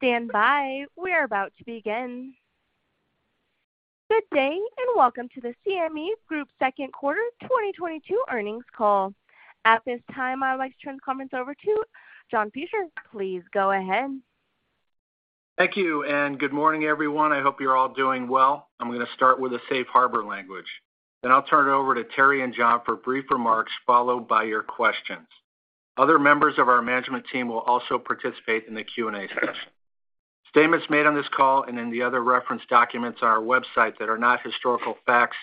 Please stand by. We are about to begin. Good day, and welcome to the CME Group second quarter 2022 earnings call. At this time, I would like to turn the conference over to John Fisher. Please go ahead. Thank you, and good morning, everyone. I hope you're all doing well. I'm gonna start with the safe harbor language. Then I'll turn it over to Terry and John for brief remarks followed by your questions. Other members of our management team will also participate in the Q&A session. Statements made on this call and in the other reference documents on our website that are not historical facts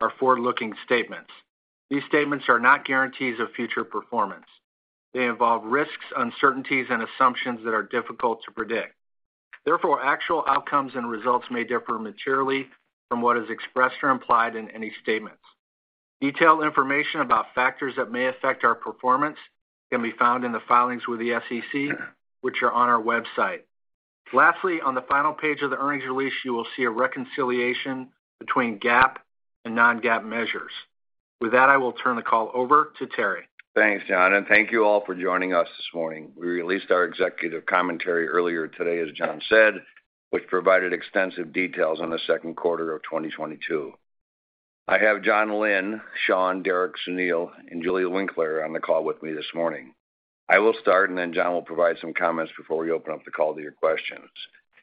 are forward-looking statements. These statements are not guarantees of future performance. They involve risks, uncertainties and assumptions that are difficult to predict. Therefore, actual outcomes and results may differ materially from what is expressed or implied in any statements. Detailed information about factors that may affect our performance can be found in the filings with the SEC, which are on our website. Lastly, on the final page of the earnings release, you will see a reconciliation between GAAP and non-GAAP measures. With that, I will turn the call over to Terry. Thanks, John, and thank you all for joining us this morning. We released our executive commentary earlier today, as John said, which provided extensive details on the second quarter of 2022. I have John Pietrowicz, Sean Tully, Sunil Cutinho, and Julie Winkler on the call with me this morning. I will start, and then John will provide some comments before we open up the call to your questions.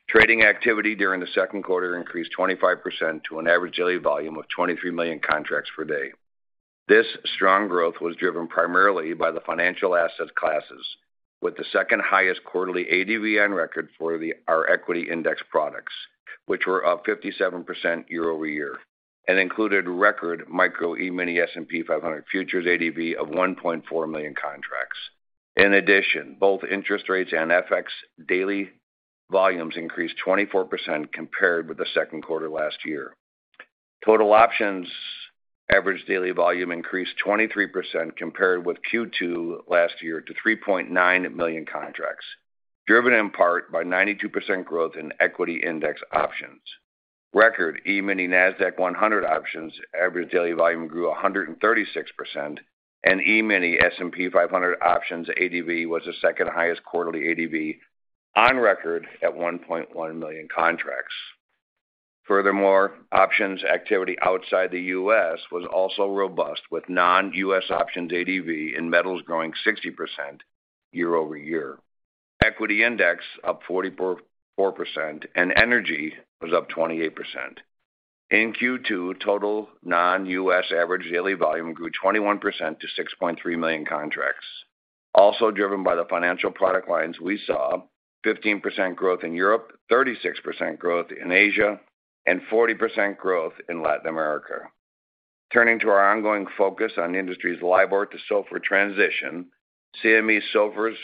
Trading activity during the second quarter increased 25% to an average daily volume of 23 million contracts per day. This strong growth was driven primarily by the financial asset classes, with the second highest quarterly ADV on record for our equity index products, which were up 57% year-over-year and included record Micro E-mini S&P 500 futures ADV of 1.4 million contracts. In addition, both interest rates and FX daily volumes increased 24% compared with the second quarter last year. Total options average daily volume increased 23% compared with Q2 last year to 3.9 million contracts, driven in part by 92% growth in equity index options. Record E-mini Nasdaq-100 options average daily volume grew 136% and E-mini S&P 500 options ADV was the second highest quarterly ADV on record at 1.1 million contracts. Furthermore, options activity outside the U.S. was also robust with non-U.S. options ADV in metals growing 60% year-over-year. Equity index up 44% and energy was up 28%. In Q2, total non-U.S. average daily volume grew 21% to 6.3 million contracts. Also driven by the financial product lines, we saw 15% growth in Europe, 36% growth in Asia, and 40% growth in Latin America. Turning to our ongoing focus on the industry's LIBOR to SOFR transition, CME SOFR's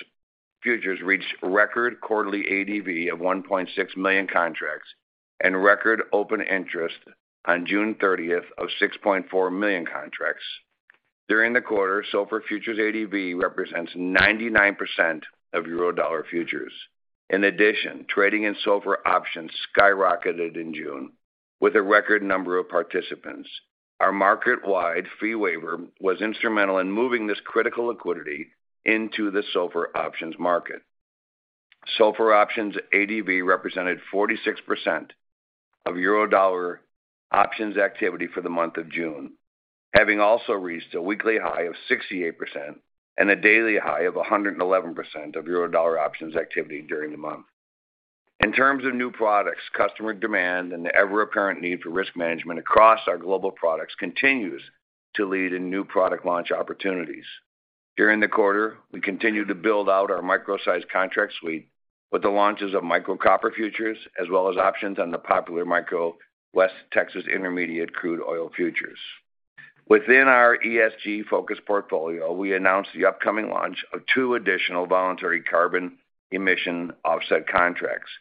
futures reached record quarterly ADV of 1.6 million contracts and record open interest on June 30th of 6.4 million contracts. During the quarter, SOFR futures ADV represents 99% of Eurodollar futures. In addition, trading in SOFR options skyrocketed in June with a record number of participants. Our market-wide fee waiver was instrumental in moving this critical liquidity into the SOFR options market. SOFR options ADV represented 46% of Eurodollar options activity for the month of June, having also reached a weekly high of 68% and a daily high of 111% of Eurodollar options activity during the month. In terms of new products, customer demand and the ever-apparent need for risk management across our global products continues to lead in new product launch opportunities. During the quarter, we continued to build out our micro-sized contract suite with the launches of Micro Copper futures as well as options on the popular Micro WTI Crude Oil futures. Within our ESG focus portfolio, we announced the upcoming launch of two additional voluntary carbon emission offset contracts,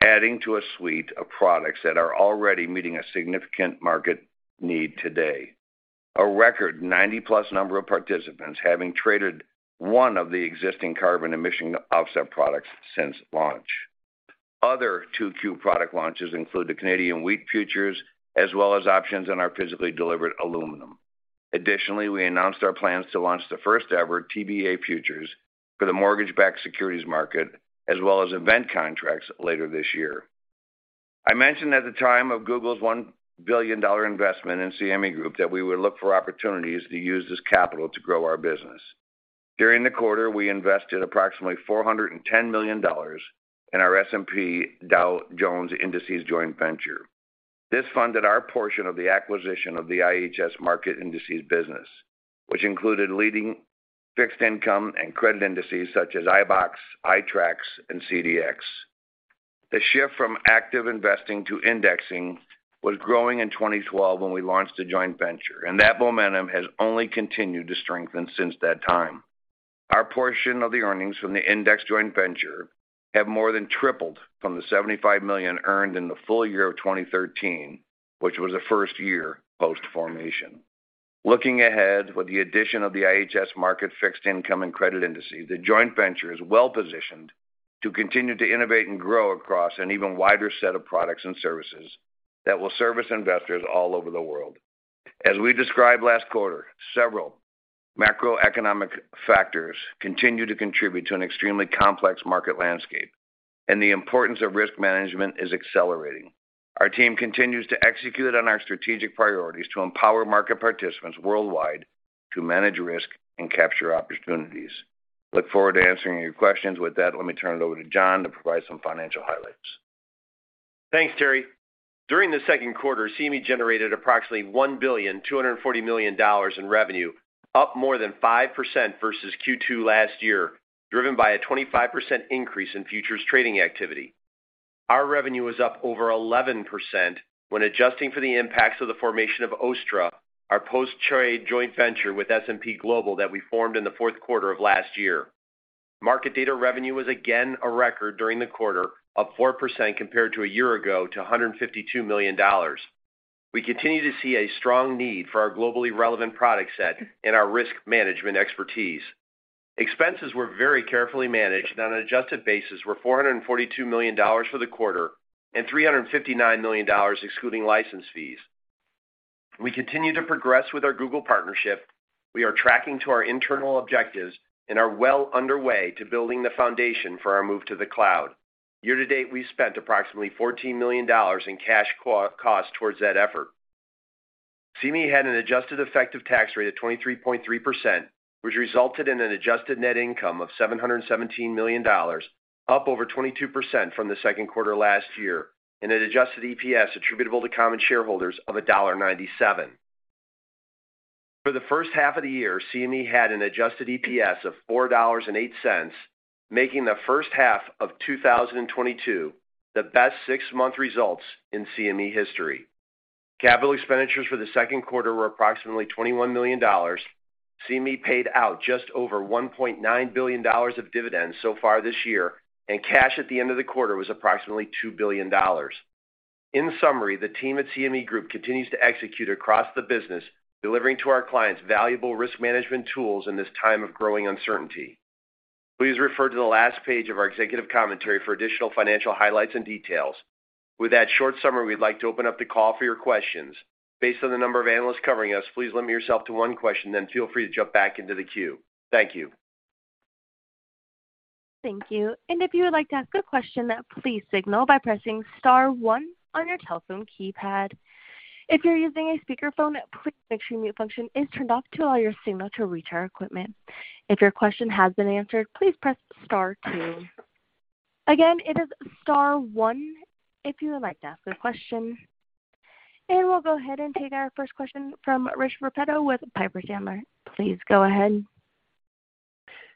adding to a suite of products that are already meeting a significant market need today. A record 90+ number of participants having traded one of the existing carbon emission offset products since launch. Other 2Q product launches include the Canadian Wheat futures as well as options on our physically delivered aluminum. Additionally, we announced our plans to launch the first-ever TBA futures for the mortgage-backed securities market as well as event contracts later this year. I mentioned at the time of Google's $1 billion investment in CME Group that we would look for opportunities to use this capital to grow our business. During the quarter, we invested approximately $410 million in our S&P Dow Jones Indices joint venture. This funded our portion of the acquisition of the IHS Markit indices business, which included leading fixed income and credit indices such as iBoxx, iTraxx, and CDX. The shift from active investing to indexing was growing in 2012 when we launched a joint venture, and that momentum has only continued to strengthen since that time. Our portion of the earnings from the index joint venture have more than tripled from the $75 million earned in the full year of 2013, which was the first year post-formation. Looking ahead, with the addition of the IHS Markit fixed income and credit indices, the joint venture is well positioned to continue to innovate and grow across an even wider set of products and services that will service investors all over the world. As we described last quarter, several macroeconomic factors continue to contribute to an extremely complex market landscape, and the importance of risk management is accelerating. Our team continues to execute on our strategic priorities to empower market participants worldwide to manage risk and capture opportunities. Look forward to answering your questions. With that, let me turn it over to John to provide some financial highlights. Thanks, Terry. During the second quarter, CME generated approximately $1.24 billion in revenue, up more than 5% versus Q2 last year, driven by a 25% increase in futures trading activity. Our revenue was up over 11% when adjusting for the impacts of the formation of OSTTRA, our post-trade joint venture with S&P Global that we formed in the fourth quarter of last year. Market data revenue was again a record during the quarter, up 4% compared to a year ago to $152 million. We continue to see a strong need for our globally relevant product set and our risk management expertise. Expenses were very carefully managed on an adjusted basis, were $442 million for the quarter and $359 million excluding license fees. We continue to progress with our Google partnership. We are on track to our internal objectives and are well underway to building the foundation for our move to the cloud. Year to date, we've spent approximately $14 million in cash costs towards that effort. CME had an adjusted effective tax rate of 23.3%, which resulted in an adjusted net income of $717 million, up over 22% from the second quarter last year, and an adjusted EPS attributable to common shareholders of $1.97. For the first half of the year, CME had an adjusted EPS of $4.08, making the first half of 2022 the best six-month results in CME history. Capital expenditures for the second quarter were approximately $21 million. CME paid out just over $1.9 billion of dividends so far this year, and cash at the end of the quarter was approximately $2 billion. In summary, the team at CME Group continues to execute across the business, delivering to our clients valuable risk management tools in this time of growing uncertainty. Please refer to the last page of our executive commentary for additional financial highlights and details. With that short summary, we'd like to open up the call for your questions. Based on the number of analysts covering us, please limit yourself to one question, then feel free to jump back into the queue. Thank you. Thank you. If you would like to ask a question, please signal by pressing star one on your telephone keypad. If you're using a speakerphone, please make sure mute function is turned off to allow your signal to reach our equipment. If your question has been answered, please press star two. Again, it is star one if you would like to ask a question. We'll go ahead and take our first question from Rich Repetto with Piper Sandler. Please go ahead.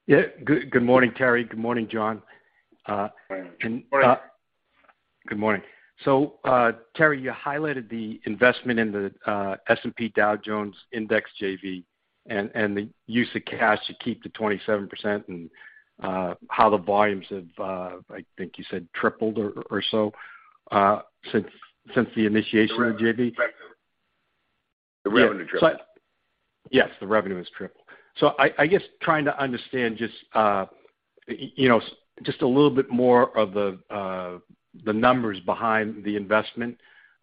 Yeah. Good morning, Terry. Good morning, John. Good morning. Good morning. Terry, you highlighted the investment in the S&P Dow Jones Indices JV and the use of cash to keep to 27% and how the volumes have, I think you said, tripled or so since the initiation of JV. The revenue tripled. Yes, the revenue has tripled. I guess trying to understand just you know just a little bit more of the numbers behind the investment.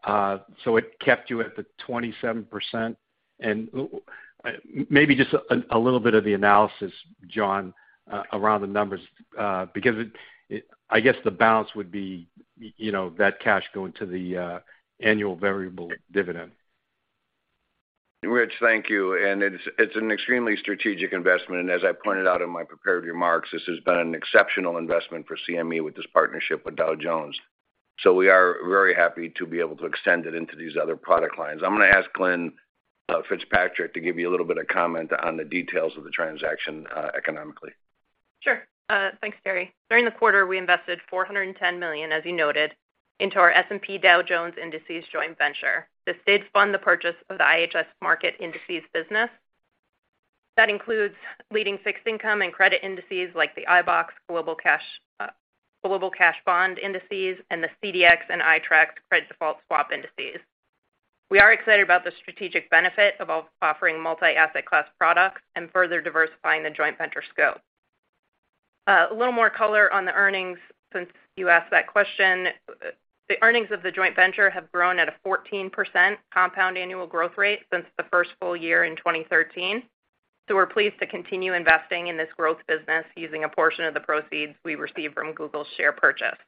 It kept you at the 27% and maybe just a little bit of the analysis, John, around the numbers because it I guess the balance would be you know that cash going to the annual variable dividend. Rich, thank you. It's an extremely strategic investment. As I pointed out in my prepared remarks, this has been an exceptional investment for CME with this partnership with Dow Jones. We are very happy to be able to extend it into these other product lines. I'm gonna ask Lynne Fitzpatrick to give you a little bit of comment on the details of the transaction, economically. Sure. Thanks, Terry. During the quarter, we invested $410 million, as you noted, into our S&P Dow Jones Indices joint venture. This did fund the purchase of the IHS Markit indices business. That includes leading fixed income and credit indices like the iBoxx global cash, global cash bond indices and the CDX and iTraxx credit default swap indices. We are excited about the strategic benefit of offering multi-asset class products and further diversifying the joint venture scope. A little more color on the earnings since you asked that question. The earnings of the joint venture have grown at a 14% compound annual growth rate since the first full year in 2013. We're pleased to continue investing in this growth business using a portion of the proceeds we received from Google's share purchase.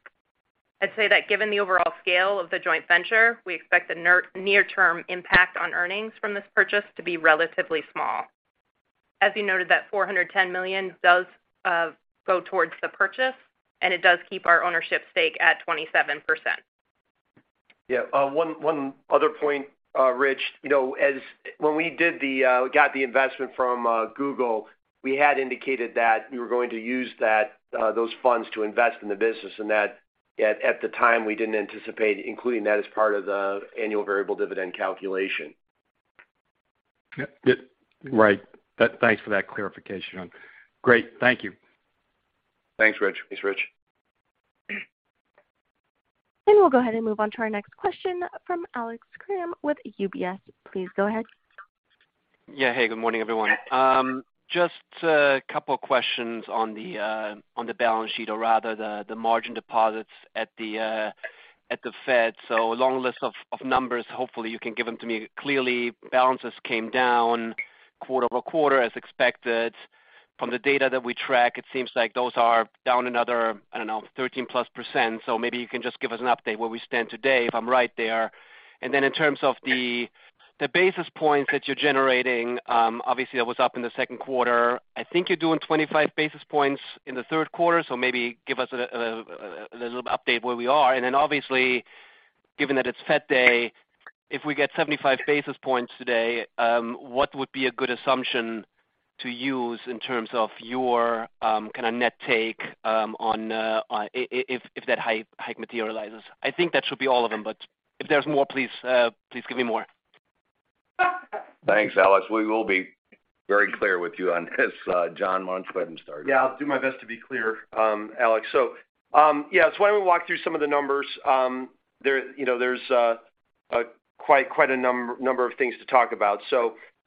I'd say that given the overall scale of the joint venture, we expect the near term impact on earnings from this purchase to be relatively small. As you noted that $410 million does go towards the purchase, and it does keep our ownership stake at 27%. Yeah. One other point, Rich. You know, when we got the investment from Google, we had indicated that we were going to use those funds to invest in the business and that at the time, we didn't anticipate including that as part of the annual variable dividend calculation. Yeah. Right. Thanks for that clarification. Great. Thank you. Thanks, Rich. We'll go ahead and move on to our next question from Alex Kramm with UBS. Please go ahead. Yeah. Hey, good morning, everyone. Just a couple of questions on the balance sheet or rather the margin deposits at the Fed. A long list of numbers. Hopefully, you can give them to me. Clearly, balances came down quarter-over-quarter as expected. From the data that we track, it seems like those are down another, I don't know, 13%+. Maybe you can just give us an update where we stand today if I'm right there. Then in terms of the basis points that you're generating, obviously that was up in the second quarter. I think you're doing 25 basis points in the third quarter. Maybe give us a little update where we are. Obviously, given that it's Fed day, if we get 75 basis points today, what would be a good assumption to use in terms of your kind of net take on if that hike materializes? I think that should be all of them, but if there's more, please give me more. Thanks, Alex. We will be very clear with you on this. John, why don't you go ahead and start? Yeah, I'll do my best to be clear, Alex. Why don't we walk through some of the numbers. You know, there's quite a number of things to talk about.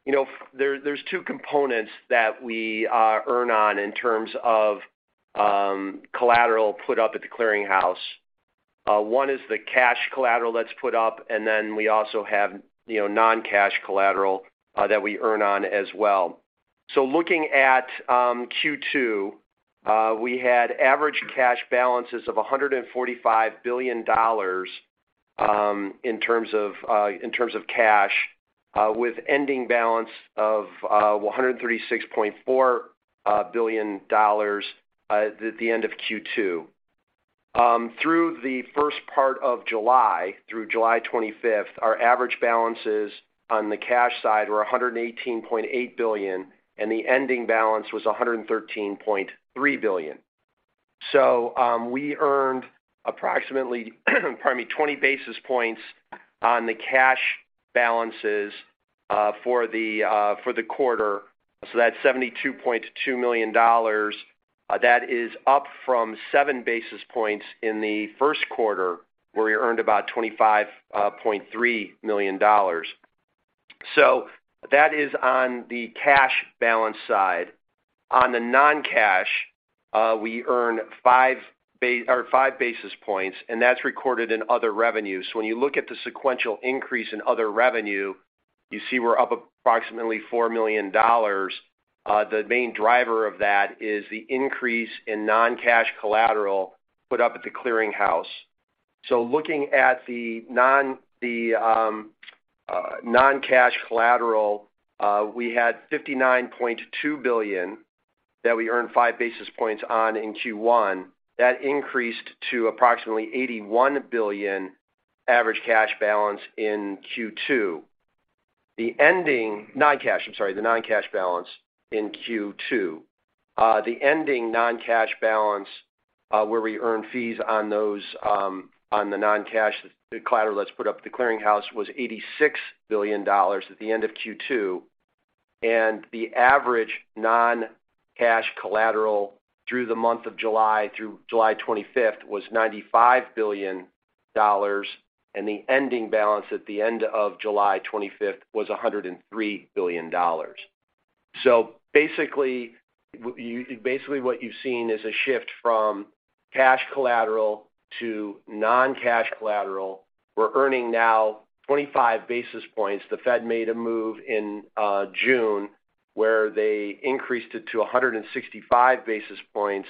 You know, there's two components that we earn on in terms of collateral put up at the clearinghouse. One is the cash collateral that's put up, and then we also have, you know, non-cash collateral that we earn on as well. Looking at Q2, we had average cash balances of $145 billion in terms of cash, with ending balance of $136.4 billion at the end of Q2. Through the first part of July, through July 25th, our average balances on the cash side were $118.8 billion, and the ending balance was $113.3 billion. We earned approximately, pardon me, 20 basis points on the cash balances for the quarter. That's $72.2 million. That is up from seven basis points in the first quarter, where we earned about $25.3 million. That is on the cash balance side. On the non-cash, we earn five basis points, and that's recorded in other revenues. When you look at the sequential increase in other revenue, you see we're up approximately $4 million. The main driver of that is the increase in non-cash collateral put up at the clearinghouse. Looking at the non-cash collateral, we had $59.2 billion that we earned five basis points on in Q1. That increased to approximately $81 billion average cash balance in Q2. The non-cash balance in Q2. The ending non-cash balance, where we earn fees on those, on the non-cash collateral that's put up at the clearinghouse was $86 billion at the end of Q2. The average non-cash collateral through the month of July through July 25th was $95 billion, and the ending balance at the end of July 25th was $103 billion. Basically what you've seen is a shift from cash collateral to non-cash collateral. We're earning now 25 basis points. The Fed made a move in June, where they increased it to 165 basis points.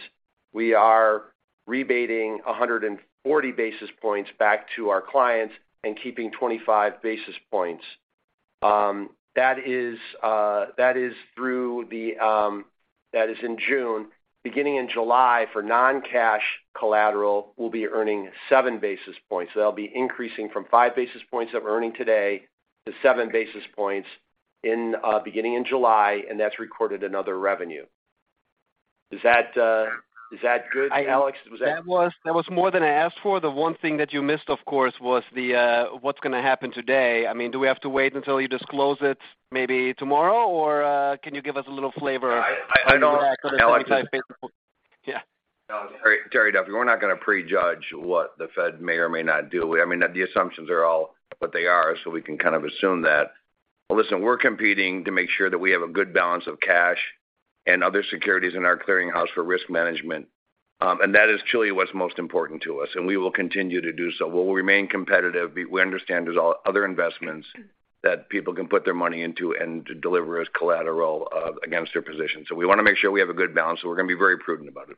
We are rebating 140 basis points back to our clients and keeping 25 basis points. That is through June. Beginning in July for non-cash collateral, we'll be earning seven basis points. That'll be increasing from five basis points that we're earning today to seven basis points beginning in July, and that's recorded another revenue. Is that good, Alex? Was that- That was more than I asked for. The one thing that you missed, of course, was what's gonna happen today. I mean, do we have to wait until you disclose it maybe tomorrow, or can you give us a little flavor? I don't- Yeah. Alex. Terry Duffy, we're not gonna prejudge what the Fed may or may not do. I mean, the assumptions are all what they are, so we can kind of assume that. Listen, we're competing to make sure that we have a good balance of cash and other securities in our clearinghouse for risk management. And that is truly what's most important to us, and we will continue to do so. We'll remain competitive. We understand there's other investments that people can put their money into and to deliver as collateral against their position. We wanna make sure we have a good balance, so we're gonna be very prudent about it.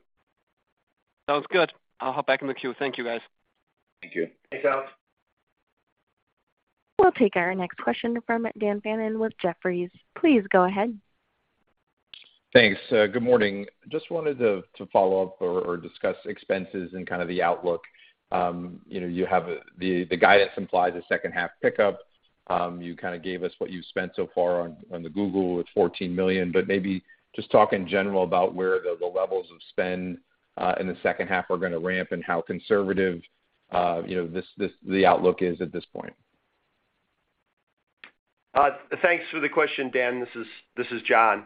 Sounds good. I'll hop back in the queue. Thank you, guys. Thank you. Thanks, Alex. We'll take our next question from Dan Fannon with Jefferies. Please go ahead. Thanks. Good morning. Just wanted to follow up or discuss expenses and kind of the outlook. You know, you have the guidance implies a second half pickup. You kind of gave us what you've spent so far on Google with $14 million, but maybe just talk in general about where the levels of spend in the second half are gonna ramp and how conservative, you know, the outlook is at this point. Thanks for the question, Dan. This is John.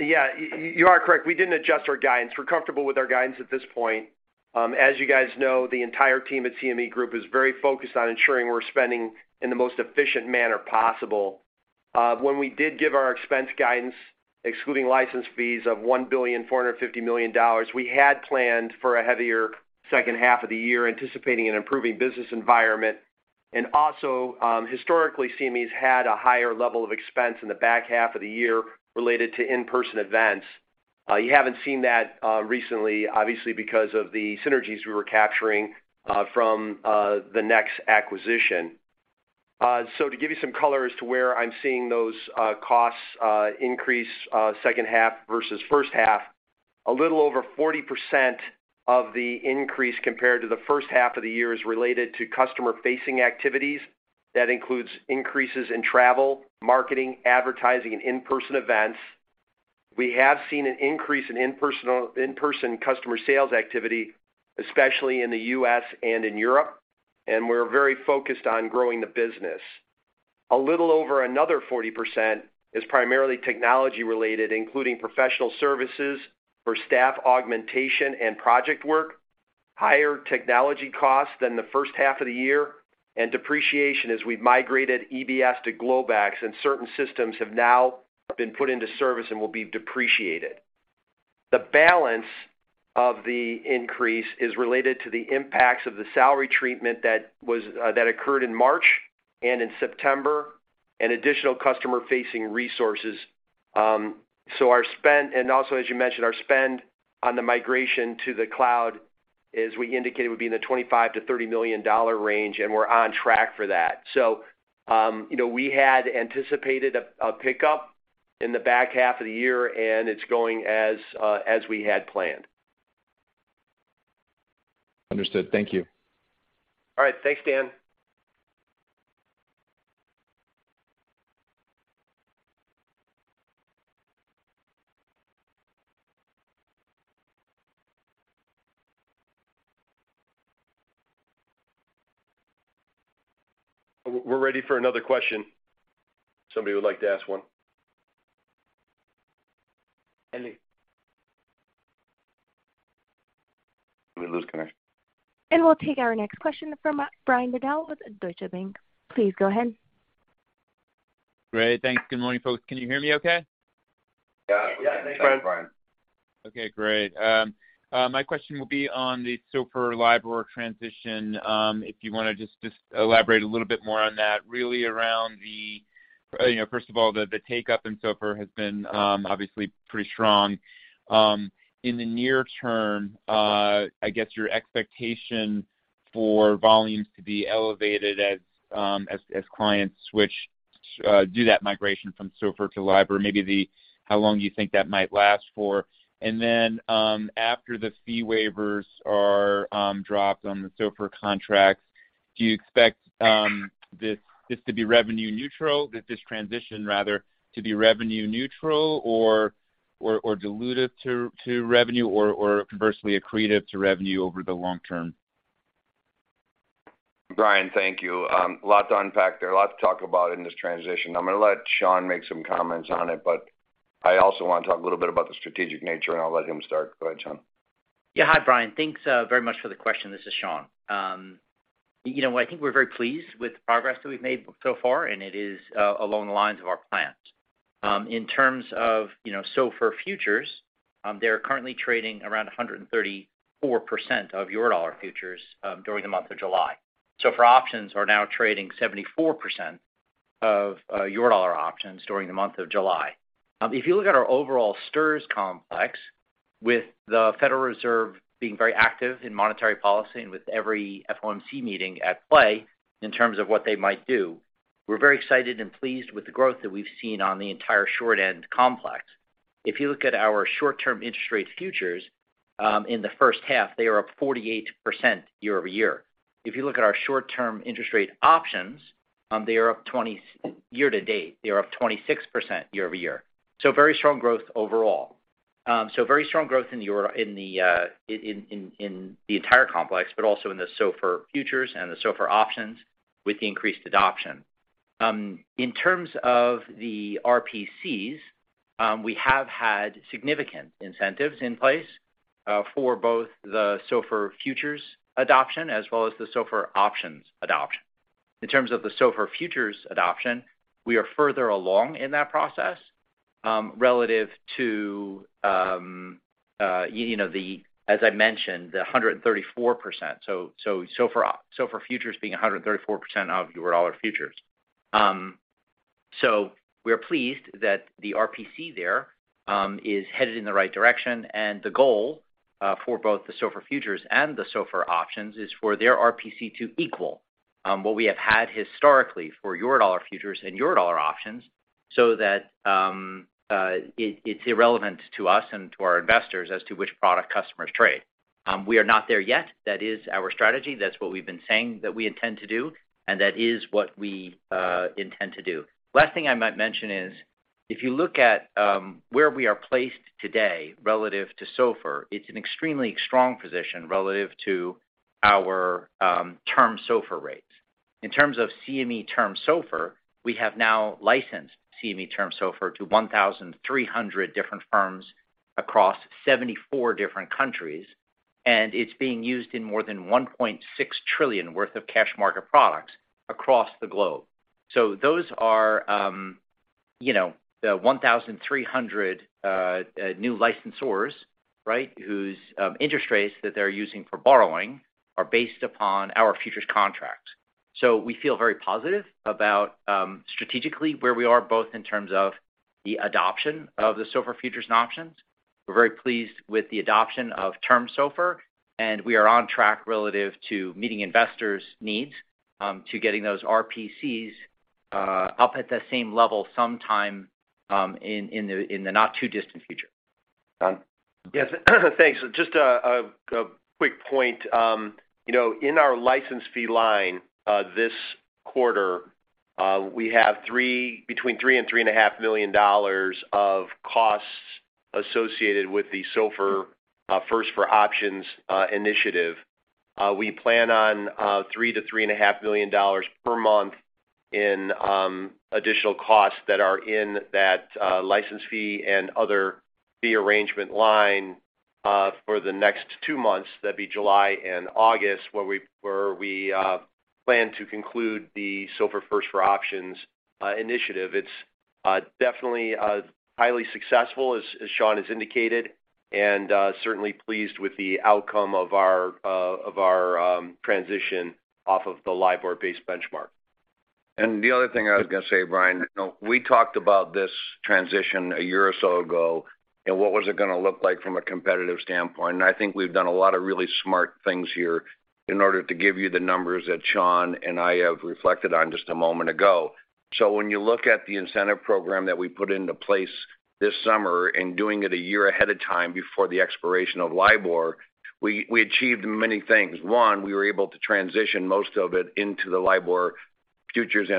Yeah, you are correct. We didn't adjust our guidance. We're comfortable with our guidance at this point. As you guys know, the entire team at CME Group is very focused on ensuring we're spending in the most efficient manner possible. When we did give our expense guidance, excluding license fees of $1.45 billion, we had planned for a heavier second half of the year, anticipating an improving business environment. Also, historically, CME's had a higher level of expense in the back half of the year related to in-person events. You haven't seen that recently, obviously, because of the synergies we were capturing from the NEX acquisition. To give you some color as to where I'm seeing those costs increase second half versus first half, a little over 40% of the increase compared to the first half of the year is related to customer-facing activities. That includes increases in travel, marketing, advertising, and in-person events. We have seen an increase in in-person customer sales activity, especially in the U.S. and in Europe, and we're very focused on growing the business. A little over another 40% is primarily technology-related, including professional services for staff augmentation and project work, higher technology costs than the first half of the year, and depreciation as we've migrated EBS to Globex, and certain systems have now been put into service and will be depreciated. The balance of the increase is related to the impacts of the salary treatment that occurred in March and in September and additional customer-facing resources. As you mentioned, our spend on the migration to the cloud, as we indicated, would be in the $25 million-$30 million range, and we're on track for that. You know, we had anticipated a pickup in the back half of the year, and it's going as we had planned. Understood. Thank you. All right. Thanks, Dan. We're ready for another question, if somebody would like to ask one. Ellie. We lose connection. We'll take our next question from Brian Bedell with Deutsche Bank. Please go ahead. Great. Thanks. Good morning, folks. Can you hear me okay? Yeah. Thanks, Brian. Okay, great. My question will be on the SOFR-LIBOR transition, if you wanna just elaborate a little bit more on that, really around the you know, first of all, the take-up in SOFR has been obviously pretty strong. In the near term, I guess your expectation for volumes to be elevated as clients do that migration from LIBOR to SOFR, maybe how long you think that might last for. Then, after the fee waivers are dropped on the SOFR contracts, do you expect this to be revenue neutral, this transition to be revenue neutral or dilutive to revenue or conversely accretive to revenue over the long term? Brian, thank you. Lots to unpack there, lots to talk about in this transition. I'm gonna let Sean make some comments on it, but I also want to talk a little bit about the strategic nature, and I'll let him start. Go ahead, Sean. Yeah. Hi, Brian. Thanks very much for the question. This is Sean. You know what? I think we're very pleased with the progress that we've made so far, and it is along the lines of our plans. In terms of, you know, SOFR futures, they're currently trading around 134% of Eurodollar futures during the month of July. SOFR options are now trading 74% of Eurodollar options during the month of July. If you look at our overall STIRS complex, with the Federal Reserve being very active in monetary policy and with every FOMC meeting at play in terms of what they might do, we're very excited and pleased with the growth that we've seen on the entire short-end complex. If you look at our short-term interest rate futures, in the first half, they are up 48% year-over-year. If you look at our short-term interest rate options, year to date, they are up 26% year-over-year. Very strong growth overall. Very strong growth in the entire complex, but also in the SOFR futures and the SOFR options with the increased adoption. In terms of the RPCs, we have had significant incentives in place for both the SOFR futures adoption as well as the SOFR options adoption. In terms of the SOFR futures adoption, we are further along in that process, relative to you know, as I mentioned, the 134%, so SOFR futures being 134% of Eurodollar futures. So we're pleased that the RPC there is headed in the right direction, and the goal for both the SOFR futures and the SOFR options is for their RPC to equal what we have had historically for Eurodollar futures and Eurodollar options, so that it's irrelevant to us and to our investors as to which product customers trade. We are not there yet. That is our strategy. That's what we've been saying that we intend to do, and that is what we intend to do. Last thing I might mention is, if you look at where we are placed today relative to SOFR, it's an extremely strong position relative to our Term SOFR rates. In terms of CME Term SOFR, we have now licensed CME Term SOFR to 1,300 different firms across 74 different countries, and it's being used in more than $1.6 trillion worth of cash market products across the globe. Those are, you know, the 1,300 new licensors, right, whose interest rates that they're using for borrowing are based upon our futures contract. We feel very positive about strategically where we are both in terms of the adoption of the SOFR futures and options. We're very pleased with the adoption of term SOFR, and we are on track relative to meeting investors' needs to getting those RPCs up at the same level sometime in the not too distant future. John? Yes, thanks. Just a quick point. You know, in our license fee line, this quarter, we have between $3 million and $3.5 million of costs associated with the SOFR futures and options initiative. We plan on $3-$3.5 million per month in additional costs that are in that license fee and other fee arrangement line for the next two months. That'd be July and August, where we plan to conclude the SOFR futures and options initiative. It's definitely highly successful as Sean has indicated, and certainly pleased with the outcome of our transition off of the LIBOR-based benchmark. The other thing I was gonna say, Brian, you know, we talked about this transition a year or so ago, and what was it gonna look like from a competitive standpoint? I think we've done a lot of really smart things here in order to give you the numbers that Sean and I have reflected on just a moment ago. When you look at the incentive program that we put into place this summer and doing it a year ahead of time before the expiration of LIBOR, we achieved many things. One, we were able to transition most of it into the LIBOR futures or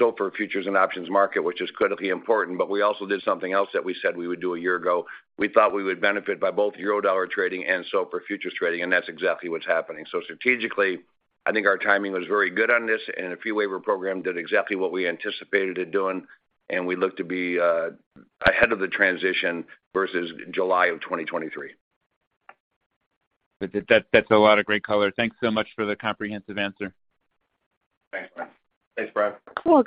SOFR futures and options market, which is critically important, but we also did something else that we said we would do a year ago. We thought we would benefit by both Eurodollar trading and SOFR futures trading, and that's exactly what's happening. Strategically, I think our timing was very good on this, and the fee waiver program did exactly what we anticipated it doing, and we look to be ahead of the transition versus July of 2023. That's a lot of great color. Thanks so much for the comprehensive answer. Thanks, Brian. Thanks, Brian. We'll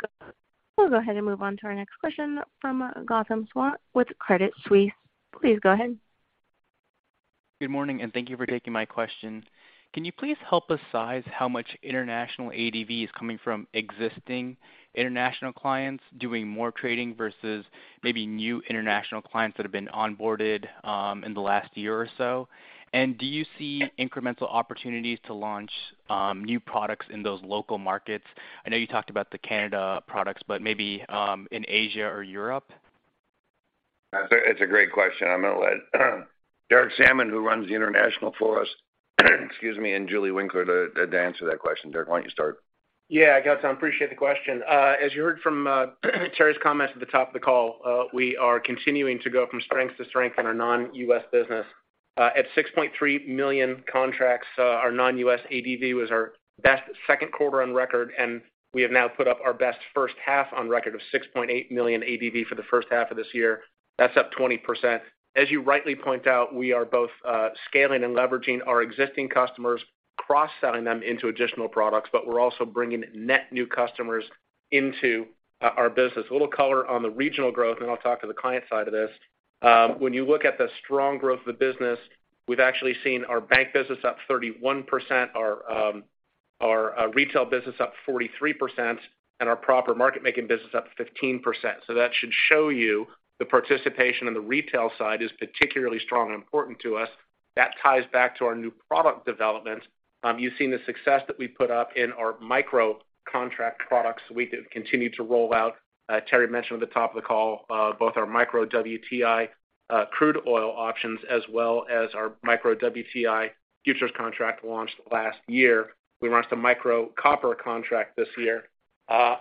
go ahead and move on to our next question from Gautam Sawant with Credit Suisse. Please go ahead. Good morning, and thank you for taking my question. Can you please help us size how much international ADV is coming from existing international clients doing more trading versus maybe new international clients that have been onboarded, in the last year or so? Do you see incremental opportunities to launch new products in those local markets? I know you talked about the Canada products, but maybe in Asia or Europe. That's a great question. I'm gonna let Derek Sammann, who runs the international for us, excuse me, and Julie Winkler to answer that question. Derek, why don't you start? Yeah, Gautam, appreciate the question. As you heard from Terry's comments at the top of the call, we are continuing to go from strength to strength in our non-U.S. business. At 6.3 million contracts, our non-US ADV was our best second quarter on record, and we have now put up our best first half on record of 6.8 million ADV for the first half of this year. That's up 20%. As you rightly point out, we are both scaling and leveraging our existing customers, cross-selling them into additional products, but we're also bringing net new customers into our business. A little color on the regional growth, and then I'll talk to the client side of this. When you look at the strong growth of the business, we've actually seen our bank business up 31%, our retail business up 43%, and our proprietary market-making business up 15%. That should show you the participation in the retail side is particularly strong and important to us. That ties back to our new product development. You've seen the success that we put up in our micro contract products. We do continue to roll out. Terry mentioned at the top of the call both our Micro WTI Crude Oil options as well as our Micro WTI futures contract launched last year. We launched a Micro Copper contract this year.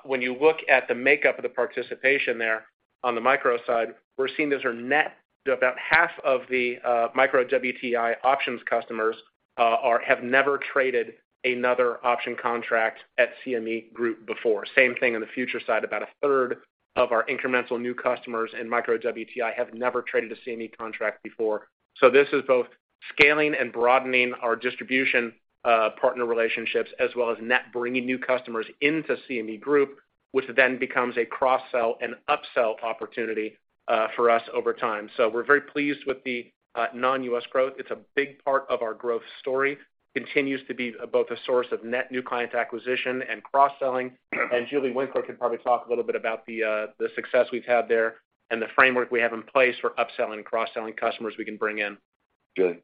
When you look at the makeup of the participation there on the micro side, we're seeing those are net to about half of the micro WTI options customers have never traded another option contract at CME Group before. Same thing on the futures side. About a third of our incremental new customers in micro WTI have never traded a CME contract before. This is both scaling and broadening our distribution partner relationships, as well as net bringing new customers into CME Group, which then becomes a cross-sell and upsell opportunity for us over time. We're very pleased with the non-U.S. growth. It's a big part of our growth story. It continues to be both a source of net new client acquisition and cross-selling. Julie Winkler can probably talk a little bit about the success we've had there and the framework we have in place for upselling and cross-selling customers we can bring in. Julie.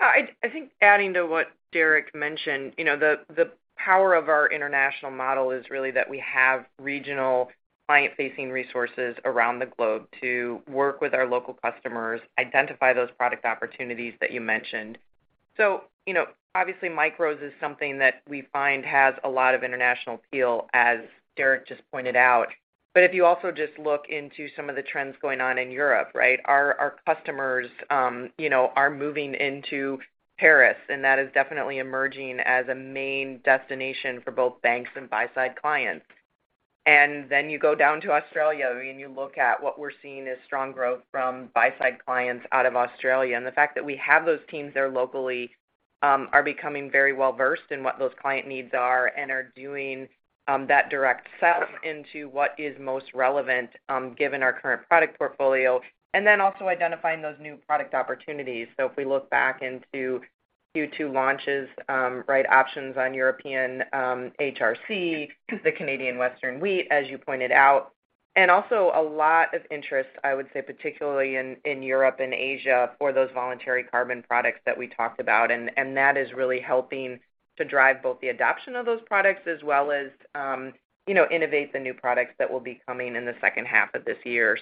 Yeah. I think adding to what Derek mentioned, you know, the power of our international model is really that we have regional client-facing resources around the globe to work with our local customers, identify those product opportunities that you mentioned. You know, obviously, micros is something that we find has a lot of international appeal, as Derek just pointed out. If you also just look into some of the trends going on in Europe, right? Our customers, you know, are moving into Paris, and that is definitely emerging as a main destination for both banks and buy-side clients. Then you go down to Australia, and you look at what we're seeing is strong growth from buy-side clients out of Australia. The fact that we have those teams there locally are becoming very well-versed in what those client needs are and are doing that direct sell into what is most relevant given our current product portfolio, and then also identifying those new product opportunities. If we look back into Q2 launches, right options on European HRC, the Canadian Wheat, as you pointed out, and also a lot of interest, I would say, particularly in Europe and Asia, for those voluntary carbon products that we talked about. That is really helping to drive both the adoption of those products as well as you know innovate the new products that will be coming in the second half of this year.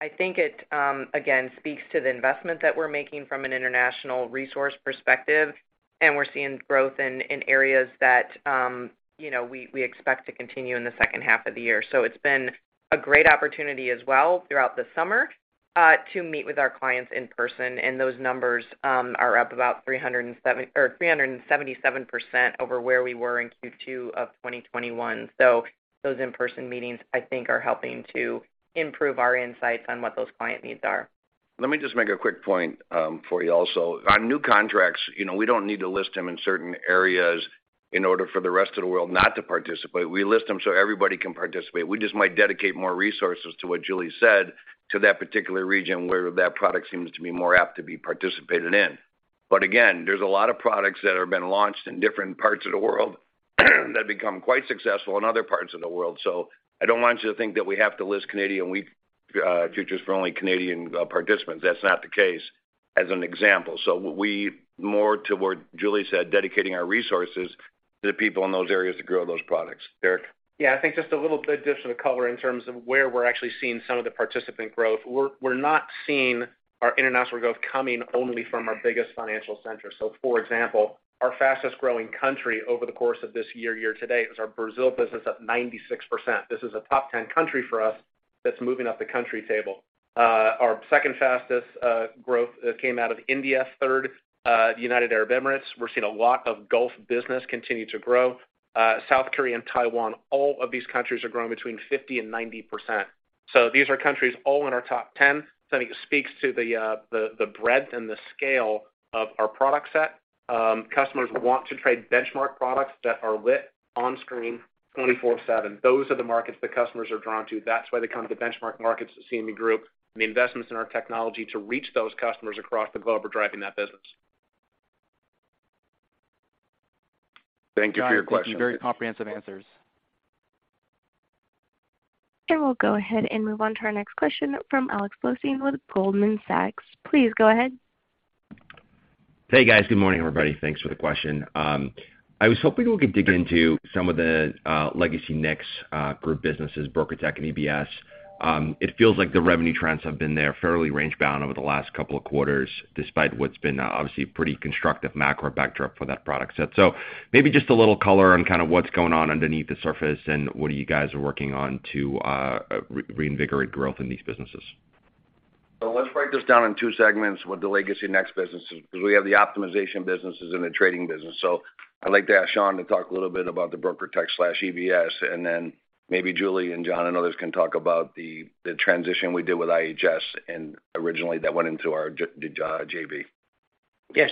I think it again speaks to the investment that we're making from an international resource perspective, and we're seeing growth in areas that you know we expect to continue in the second half of the year. It's been a great opportunity as well throughout the summer to meet with our clients in person. Those numbers are up about 377% over where we were in Q2 of 2021. Those in-person meetings, I think, are helping to improve our insights on what those client needs are. Let me just make a quick point for you also. On new contracts, you know, we don't need to list them in certain areas in order for the rest of the world not to participate. We list them so everybody can participate. We just might dedicate more resources to what Julie said to that particular region where that product seems to be more apt to be participated in. Again, there's a lot of products that have been launched in different parts of the world that become quite successful in other parts of the world. I don't want you to think that we have to list Canadian Wheat futures for only Canadian participants. That's not the case, as an example. More to what Julie said, dedicating our resources to the people in those areas to grow those products. Derek? Yeah. I think just a little bit just of color in terms of where we're actually seeing some of the participant growth. We're not seeing our international growth coming only from our biggest financial centers. For example, our fastest-growing country over the course of this year to date, is our Brazil business up 96%. This is a top 10 country for us that's moving up the country table. Our second fastest growth came out of India. Third, the United Arab Emirates. We're seeing a lot of Gulf business continue to grow. South Korea and Taiwan, all of these countries are growing between 50%-90%. These are countries all in our top 10. I think it speaks to the breadth and the scale of our product set. Customers want to trade benchmark products that are lit on screen 24/7. Those are the markets that customers are drawn to. That's why they come to the benchmark markets at CME Group, and the investments in our technology to reach those customers across the globe are driving that business. Thank you for your question. Thank you. Very comprehensive answers. We'll go ahead and move on to our next question from Alex Blostein with Goldman Sachs. Please go ahead. Hey, guys. Good morning, everybody. Thanks for the question. I was hoping we could dig into some of the legacy NEX Group businesses, BrokerTec and EBS. It feels like the revenue trends have been fairly range-bound over the last couple of quarters, despite what's been obviously a pretty constructive macro backdrop for that product set. Maybe just a little color on kind of what's going on underneath the surface and what are you guys working on to reinvigorate growth in these businesses. Let's break this down in two segments with the legacy NEX businesses, because we have the optimization businesses and the trading business. I'd like to ask Sean to talk a little bit about the BrokerTec/EBS, and then maybe Julie and John and others can talk about the transition we did with IHS and originally that went into our JV. Yes.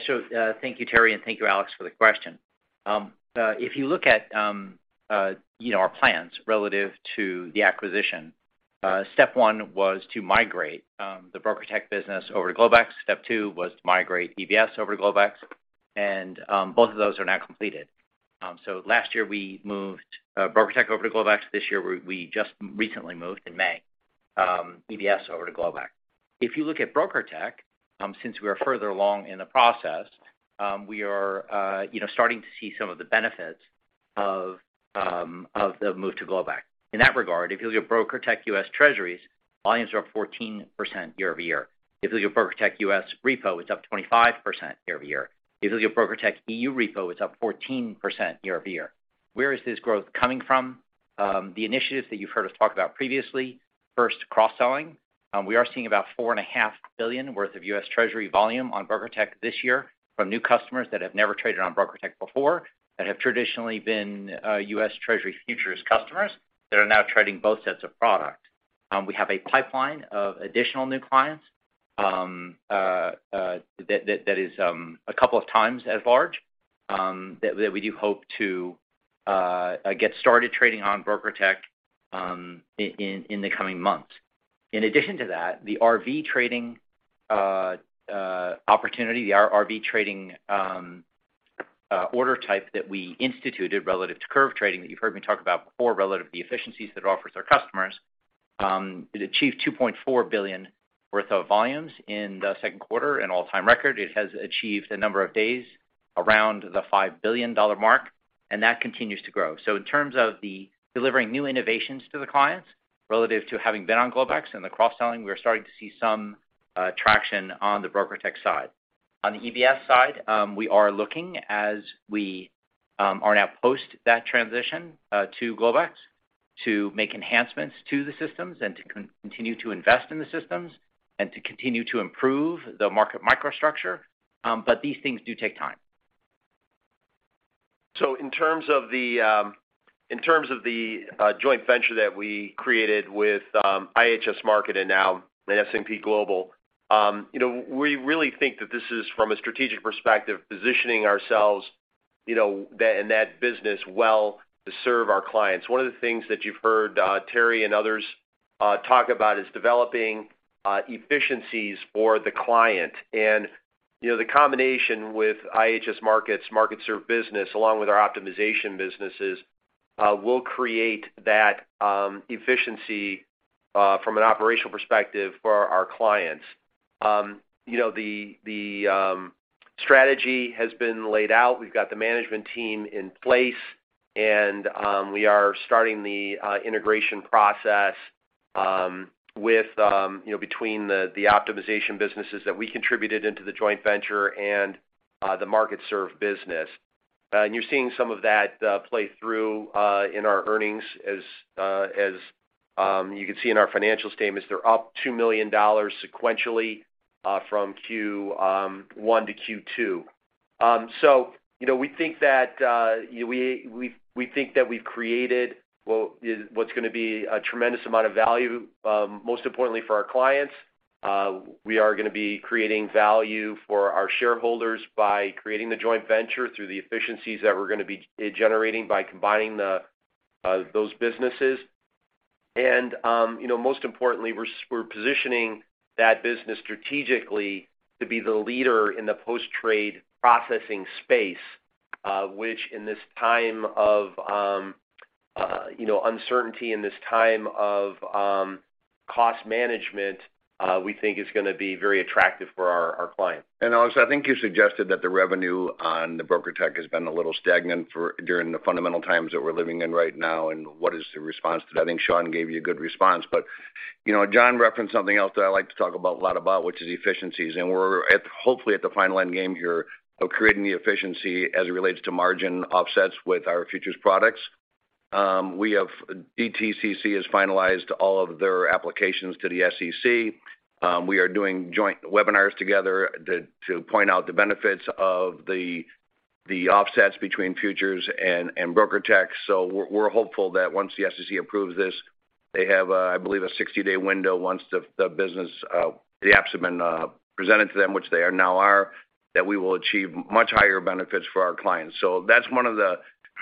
Thank you, Terry, and thank you, Alex, for the question. If you look at, you know, our plans relative to the acquisition, step one was to migrate the BrokerTec business over to Globex. Step two was to migrate EBS over to Globex. Both of those are now completed. Last year we moved BrokerTec over to Globex. This year we just recently moved in May EBS over to Globex. If you look at BrokerTec, since we are further along in the process, we are, you know, starting to see some of the benefits of the move to Globex. In that regard, if you look at BrokerTec U.S. Treasuries, volumes are up 14% year-over-year. If you look at BrokerTec U.S. Repo, it's up 25% year-over-year. If you look at BrokerTec EU Repo, it's up 14% year-over-year. Where is this growth coming from? The initiatives that you've heard us talk about previously. First, cross-selling. We are seeing about $4.5 billion worth of U.S. Treasury volume on BrokerTec this year from new customers that have never traded on BrokerTec before, that have traditionally been U.S. Treasury futures customers that are now trading both sets of product. We have a pipeline of additional new clients that is a couple of times as large that we do hope to get started trading on BrokerTec in the coming months. In addition to that, the RV trading opportunity, the RV trading order type that we instituted relative to curve trading that you've heard me talk about before relative to the efficiencies that it offers our customers, it achieved $2.4 billion worth of volumes in the second quarter, an all-time record. It has achieved a number of days around the $5 billion mark, and that continues to grow. In terms of delivering new innovations to the clients relative to having been on Globex and the cross-selling, we are starting to see some traction on the BrokerTec side. On the EBS side, we are now post that transition to Globex to make enhancements to the systems and to continue to invest in the systems and to continue to improve the market microstructure. These things do take time. In terms of the joint venture that we created with IHS Markit, and now S&P Global, you know, we really think that this is from a strategic perspective, positioning ourselves, you know, in that business well to serve our clients. One of the things that you've heard, Terry and others, talk about is developing efficiencies for the client. You know, the strategy has been laid out. We've got the management team in place, and we are starting the integration process with, you know, between the optimization businesses that we contributed into the joint venture and the MarkitSERV business. You're seeing some of that play through in our earnings as you can see in our financial statements. They're up $2 million sequentially from Q1 to Q2. You know, we think that we think that we've created what's gonna be a tremendous amount of value, most importantly for our clients. We are gonna be creating value for our shareholders by creating the joint venture through the efficiencies that we're gonna be generating by combining those businesses. Most importantly, we're positioning that business strategically to be the leader in the post-trade processing space, which in this time of uncertainty, in this time of cost management, we think is gonna be very attractive for our clients. Alex, I think you suggested that the revenue on the BrokerTec has been a little stagnant during the fundamental times that we're living in right now, and what is the response to that? I think Sean gave you a good response. You know, John referenced something else that I like to talk about a lot, which is efficiencies. We're hopefully at the final end game here of creating the efficiency as it relates to margin offsets with our futures products. DTCC has finalized all of their applications to the SEC. We are doing joint webinars together to point out the benefits of the offsets between futures and BrokerTec. We're hopeful that once the SEC approves this, they have, I believe, a 60-day window once the business, the apps have been presented to them, which they are now, that we will achieve much higher benefits for our clients. That's one of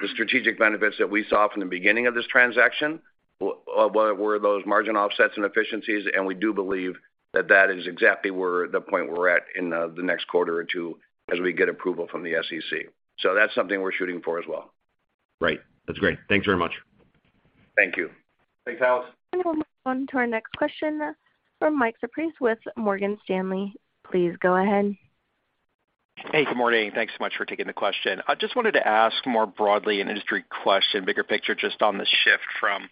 the strategic benefits that we saw from the beginning of this transaction, were those margin offsets and efficiencies, and we do believe that is exactly where the point we're at in the next quarter or two as we get approval from the SEC. That's something we're shooting for as well. Right. That's great. Thanks very much. Thank you. Thanks, Alex. We'll move on to our next question from Michael Cyprys with Morgan Stanley. Please go ahead. Hey, good morning. Thanks so much for taking the question. I just wanted to ask more broadly an industry question, bigger picture, just on the shift from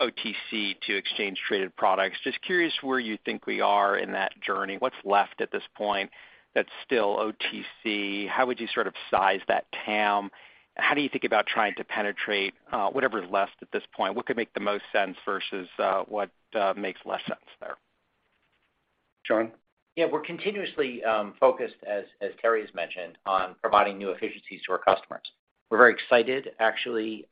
OTC to exchange traded products. Just curious where you think we are in that journey. What's left at this point that's still OTC? How would you sort of size that TAM? How do you think about trying to penetrate whatever's left at this point? What could make the most sense versus what makes less sense there? John? Yeah, we're continuously focused, as Terry has mentioned, on providing new efficiencies to our customers. We're very excited, actually,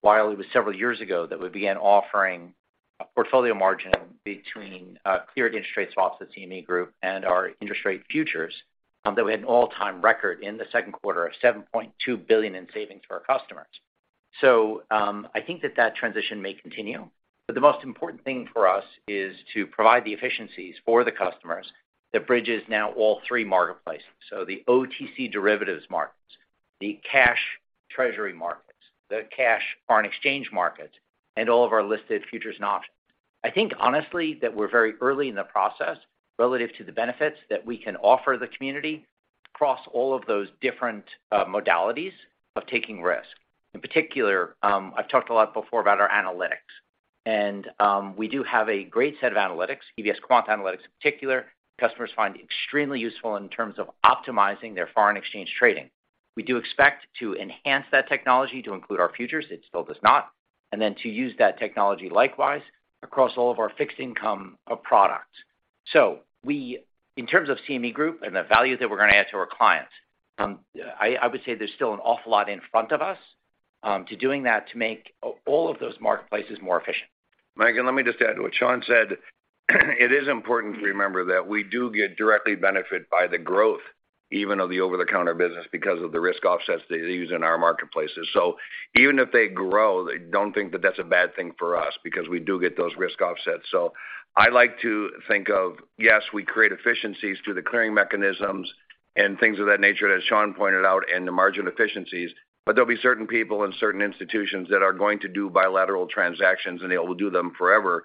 while it was several years ago that we began offering a portfolio margin between cleared interest rate swaps with CME Group and our interest rate futures, that we had an all-time record in the second quarter of $7.2 billion in savings for our customers. I think that transition may continue, but the most important thing for us is to provide the efficiencies for the customers that bridges now all three marketplaces. The OTC derivatives markets, the cash Treasury markets, the cash foreign exchange markets, and all of our listed futures and options. I think, honestly, that we're very early in the process relative to the benefits that we can offer the community across all of those different modalities of taking risk. In particular, I've talked a lot before about our analytics. We do have a great set of analytics, EBS Quant Analytics in particular, customers find extremely useful in terms of optimizing their foreign exchange trading. We do expect to enhance that technology to include our futures, it still does not, and then to use that technology likewise across all of our fixed income products. In terms of CME Group and the value that we're gonna add to our clients, I would say there's still an awful lot in front of us to doing that to make all of those marketplaces more efficient. Mike, let me just add to what Sean said. It is important to remember that we do get direct benefit by the growth, even of the over-the-counter business because of the risk offsets they use in our marketplaces. Even if they grow, they don't think that that's a bad thing for us because we do get those risk offsets. I like to think of, yes, we create efficiencies through the clearing mechanisms and things of that nature, as Sean pointed out, and the margin efficiencies, but there'll be certain people and certain institutions that are going to do bilateral transactions, and they will do them forever.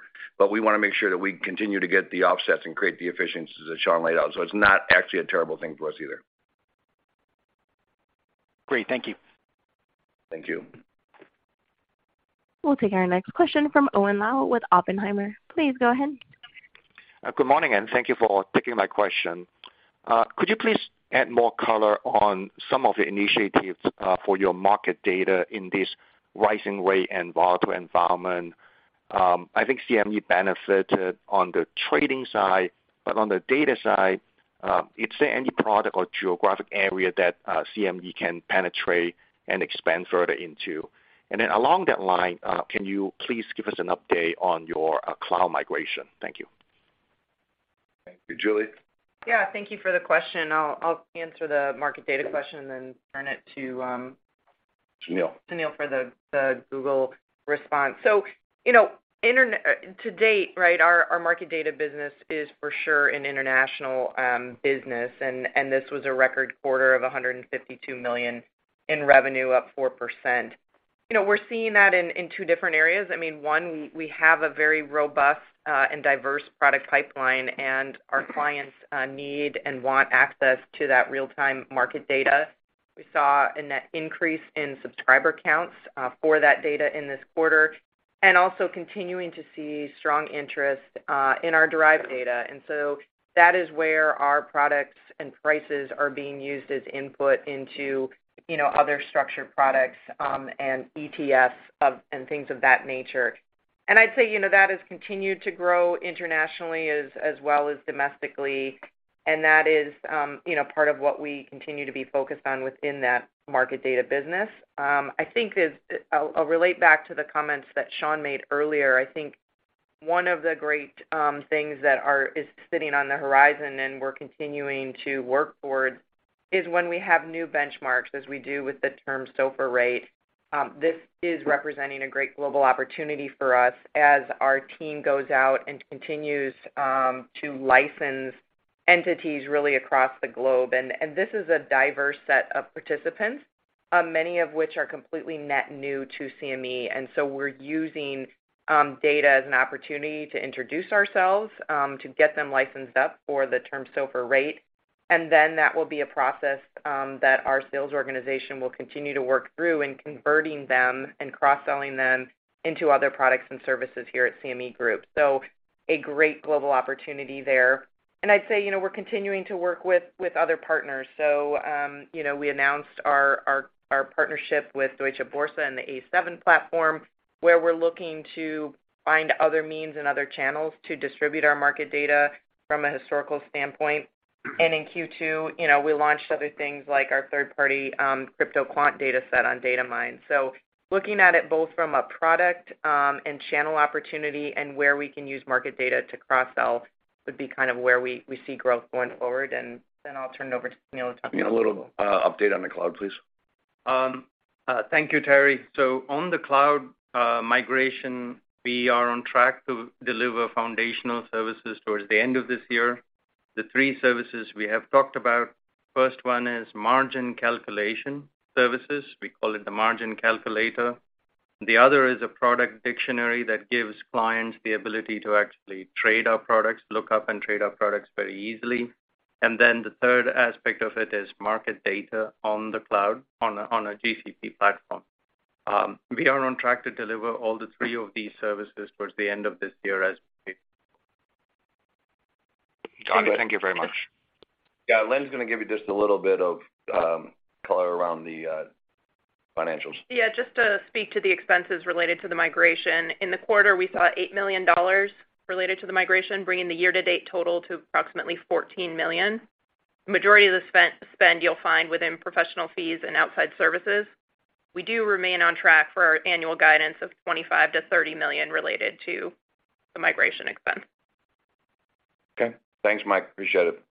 We wanna make sure that we continue to get the offsets and create the efficiencies that Sean laid out. It's not actually a terrible thing for us either. Great. Thank you. Thank you. We'll take our next question from Owen Lau with Oppenheimer. Please go ahead. Good morning, and thank you for taking my question. Could you please add more color on some of the initiatives, for your market data in this rising rate and volatile environment? I think CME benefited on the trading side, but on the data side, is there any product or geographic area that, CME can penetrate and expand further into? Along that line, can you please give us an update on your, cloud migration? Thank you. Thank you. Julie? Yeah, thank you for the question. I'll answer the market data question then turn it to, Sunil Sunil for the Google response. To date, right, our market data business is for sure an international business. This was a record quarter of $152 million in revenue, up 4%. You know, we're seeing that in two different areas. I mean, one, we have a very robust and diverse product pipeline, and our clients need and want access to that real-time market data. We saw a net increase in subscriber counts for that data in this quarter, and also continuing to see strong interest in our derived data. That is where our products and prices are being used as input into other structured products and ETFs and things of that nature. I'd say, you know, that has continued to grow internationally as well as domestically, and that is part of what we continue to be focused on within that market data business. I think I'll relate back to the comments that Sean made earlier. I think one of the great things that is sitting on the horizon, and we're continuing to work towards, is when we have new benchmarks as we do with the Term SOFR rate. This is representing a great global opportunity for us as our team goes out and continues to license entities really across the globe. This is a diverse set of participants, many of which are completely net new to CME, and so we're using data as an opportunity to introduce ourselves, to get them licensed up for the Term SOFR rate. Then that will be a process that our sales organization will continue to work through in converting them and cross-selling them into other products and services here at CME Group. A great global opportunity there. I'd say, you know, we're continuing to work with other partners. You know, we announced our partnership with Deutsche Börse and the A7 platform, where we're looking to find other means and other channels to distribute our market data from a historical standpoint. In Q2, you know, we launched other things like our third-party crypto quant data set on DataMine. Looking at it both from a product, and channel opportunity and where we can use market data to cross-sell would be kind of where we see growth going forward. I'll turn it over to Sunil to talk about. Sunil, a little update on the cloud, please. Thank you, Terry. On the cloud migration, we are on track to deliver foundational services towards the end of this year. The three services we have talked about, first one is margin calculation services. We call it the margin calculator. The other is a product dictionary that gives clients the ability to actually trade our products, look up and trade our products very easily. Then the third aspect of it is market data on the cloud on a GCP platform. We are on track to deliver all the three of these services towards the end of this year as we- Got it. Thank you very much. Yeah. Lynn's gonna give you just a little bit of color around the financials. Yeah, just to speak to the expenses related to the migration. In the quarter, we saw $8 million related to the migration, bringing the year-to-date total to approximately $14 million. Majority of the spend you'll find within professional fees and outside services. We do remain on track for our annual guidance of $25 million-$30 million related to the migration expense. Okay. Thanks, Mike, appreciate it.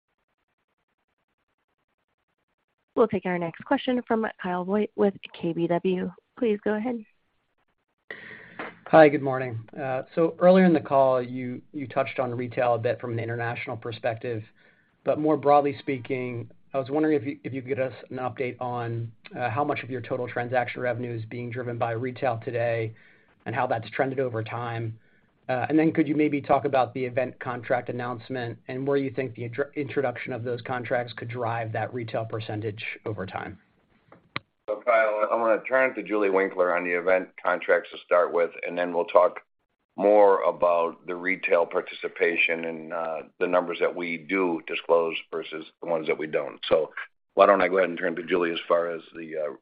We'll take our next question from Kyle Voigt with KBW. Please go ahead. Hi, good morning. Earlier in the call, you touched on retail a bit from an international perspective. More broadly speaking, I was wondering if you could give us an update on how much of your total transaction revenue is being driven by retail today and how that's trended over time. Could you maybe talk about the event contract announcement and where you think the introduction of those contracts could drive that retail percentage over time? Kyle, I'm gonna turn it to Julie Winkler on the event contracts to start with, and then we'll talk more about the retail participation and the numbers that we do disclose versus the ones that we don't. Why don't I go ahead and turn to Julie as far as the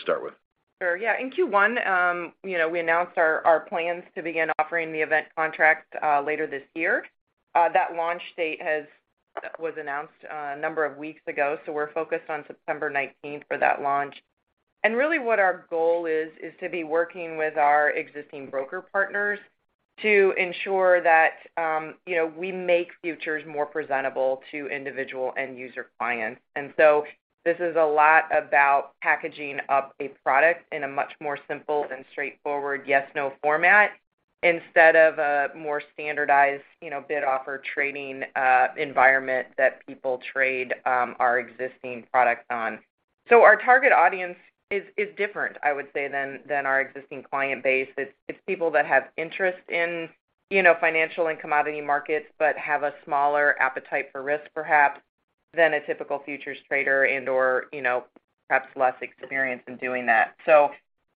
start with. Sure. Yeah. In Q1, you know, we announced our plans to begin offering the event contract later this year. That launch date was announced a number of weeks ago, so we're focused on September nineteenth for that launch. Really what our goal is to be working with our existing broker partners to ensure that, you know, we make futures more presentable to individual end user clients. This is a lot about packaging up a product in a much more simple and straightforward yes, no format instead of a more standardized, you know, bid offer trading environment that people trade our existing products on. Our target audience is different, I would say, than our existing client base. It's people that have interest in, you know, financial and commodity markets but have a smaller appetite for risk, perhaps than a typical futures trader and/or, you know, perhaps less experienced in doing that.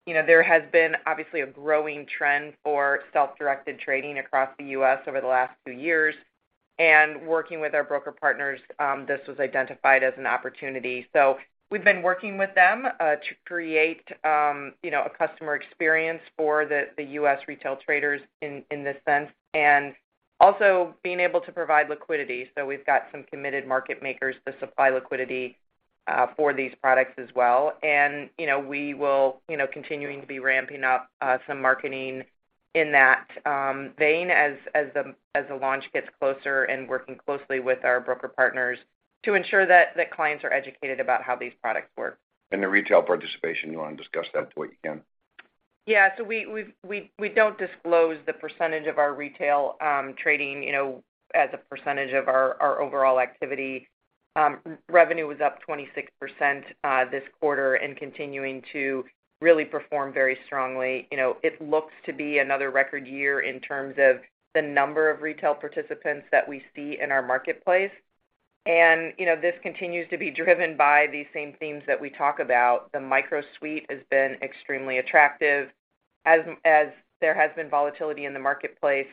You know, there has been obviously a growing trend for self-directed trading across the U.S. over the last few years. Working with our broker partners, this was identified as an opportunity. We've been working with them to create, you know, a customer experience for the U.S. retail traders in this sense, and also being able to provide liquidity. We've got some committed market makers to supply liquidity for these products as well. You know, we will, you know, continuing to be ramping up some marketing in that vein as the launch gets closer and working closely with our broker partners to ensure that the clients are educated about how these products work. The retail participation, you wanna discuss that to what you can? We don't disclose the percentage of our retail trading, you know, as a percentage of our overall activity. Revenue was up 26% this quarter and continuing to really perform very strongly. You know, it looks to be another record year in terms of the number of retail participants that we see in our marketplace. You know, this continues to be driven by these same themes that we talk about. The micro suite has been extremely attractive. As there has been volatility in the marketplace,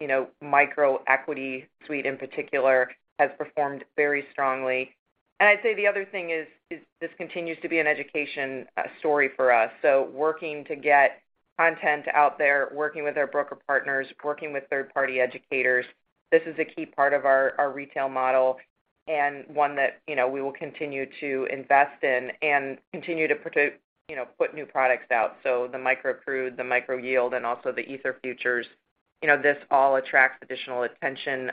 you know, micro equity suite in particular has performed very strongly. I'd say the other thing is this continues to be an education story for us. Working to get content out there, working with our broker partners, working with third-party educators, this is a key part of our retail model and one that, you know, we will continue to invest in and continue to, you know, put new products out. The micro crude, the micro yield, and also the Ether futures. You know, this all attracts additional attention,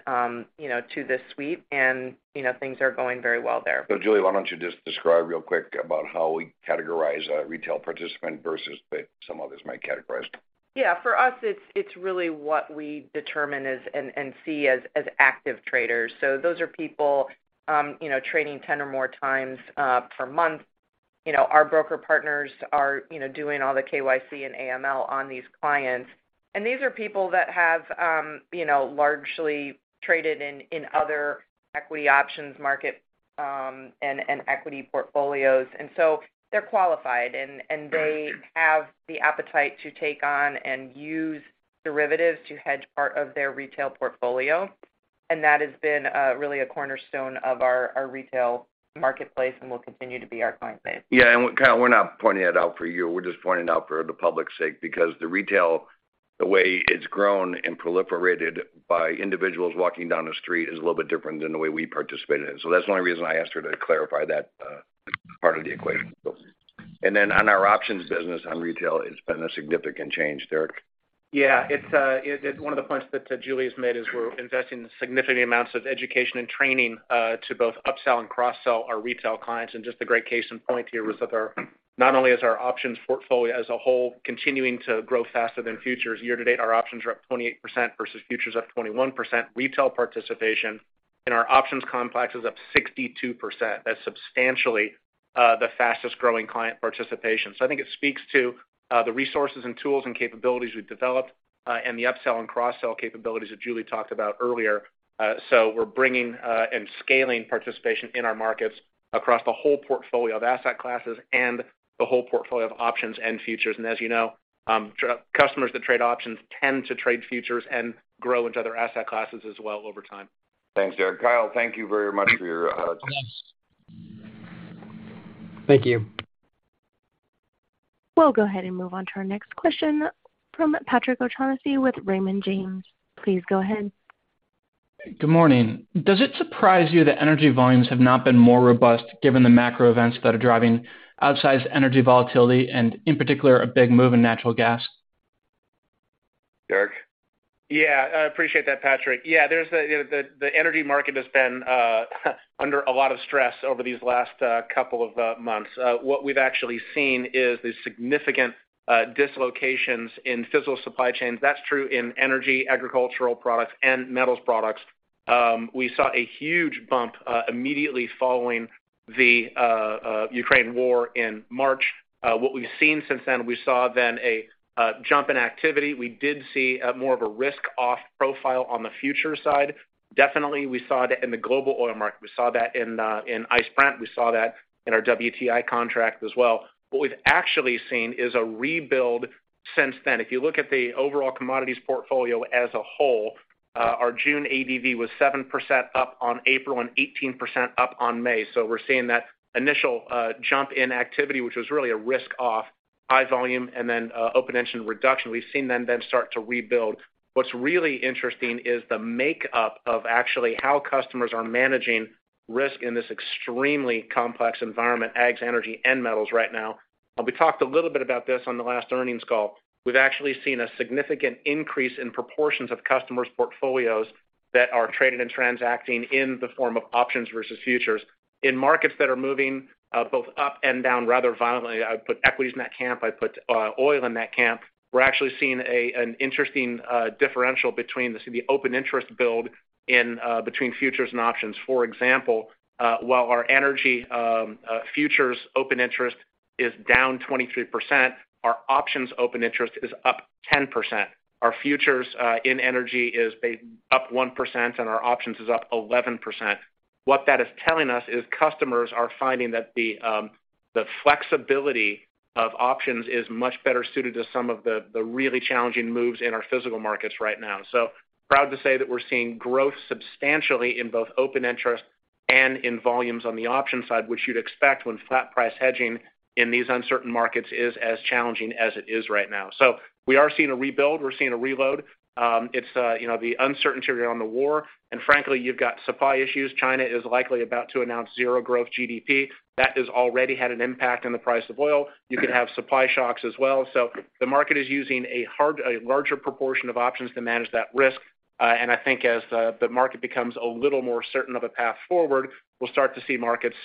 you know, to this suite, and, you know, things are going very well there. Julie, why don't you just describe real quick about how we categorize a retail participant versus the way some others might categorize them? Yeah. For us, it's really what we determine and see as active traders. Those are people, you know, trading 10 or more times per month. You know, our broker partners are, you know, doing all the KYC and AML on these clients. These are people that have, you know, largely traded in other equity options market and equity portfolios. They're qualified, and they Right They have the appetite to take on and use derivatives to hedge part of their retail portfolio. That has been really a cornerstone of our retail marketplace and will continue to be our client base. Yeah. We're not pointing it out for you. We're just pointing it out for the public's sake because the retail, the way it's grown and proliferated by individuals walking down the street is a little bit different than the way we participate in it. That's the only reason I asked her to clarify that part of the equation. On our options business on retail, it's been a significant change. Derek? Yeah. It's one of the points that Julie's made is we're investing significant amounts of education and training to both upsell and cross-sell our retail clients. Just a great case in point here was that not only is our options portfolio as a whole continuing to grow faster than futures. Year to date, our options are up 28% versus futures up 21%. Retail participation in our options complex is up 62%. That's substantially the fastest-growing client participation. I think it speaks to the resources and tools and capabilities we've developed and the upsell and cross-sell capabilities that Julie talked about earlier. We're bringing and scaling participation in our markets across the whole portfolio of asset classes and the whole portfolio of options and futures. As you know, customers that trade options tend to trade futures and grow into other asset classes as well over time. Thanks, Derek. Kyle, thank you very much for your time. Thank you. We'll go ahead and move on to our next question from Patrick O'Shaughnessy with Raymond James. Please go ahead. Good morning. Does it surprise you that energy volumes have not been more robust given the macro events that are driving outsized energy volatility and, in particular, a big move in natural gas? Derek? Yeah. I appreciate that, Patrick. Yeah. The energy market has been under a lot of stress over these last couple of months. What we've actually seen is the significant dislocations in physical supply chains. That's true in energy, agricultural products, and metals products. We saw a huge bump immediately following the Ukraine war in March. What we've seen since then, we saw then a jump in activity. We did see more of a risk off profile on the futures side. Definitely, we saw that in the global oil market. We saw that in ICE Brent. We saw that in our WTI contract as well. What we've actually seen is a rebuild since then. If you look at the overall commodities portfolio as a whole, our June ADV was 7% up on April and 18% up on May. We're seeing that initial jump in activity, which was really a risk off, high volume, and then open interest reduction. We've seen them then start to rebuild. What's really interesting is the makeup of actually how customers are managing risk in this extremely complex environment, ags, energy, and metals right now. We talked a little bit about this on the last earnings call. We've actually seen a significant increase in proportions of customers' portfolios that are traded and transacting in the form of options versus futures. In markets that are moving, both up and down rather violently, I put equities in that camp, I put oil in that camp, we're actually seeing an interesting differential between this and the open interest build in between futures and options. For example, while our energy futures open interest is down 23%. Our options open interest is up 10%. Our futures in energy is up 1%, and our options is up 11%. What that is telling us is customers are finding that the flexibility of options is much better suited to some of the really challenging moves in our physical markets right now. Proud to say that we're seeing growth substantially in both open interest and in volumes on the option side, which you'd expect when flat price hedging in these uncertain markets is as challenging as it is right now. We are seeing a rebuild, we're seeing a reload. It's, you know, the uncertainty around the war, and frankly, you've got supply issues. China is likely about to announce zero growth GDP. That has already had an impact on the price of oil. You could have supply shocks as well. The market is using a larger proportion of options to manage that risk. I think as the market becomes a little more certain of a path forward, we'll start to see markets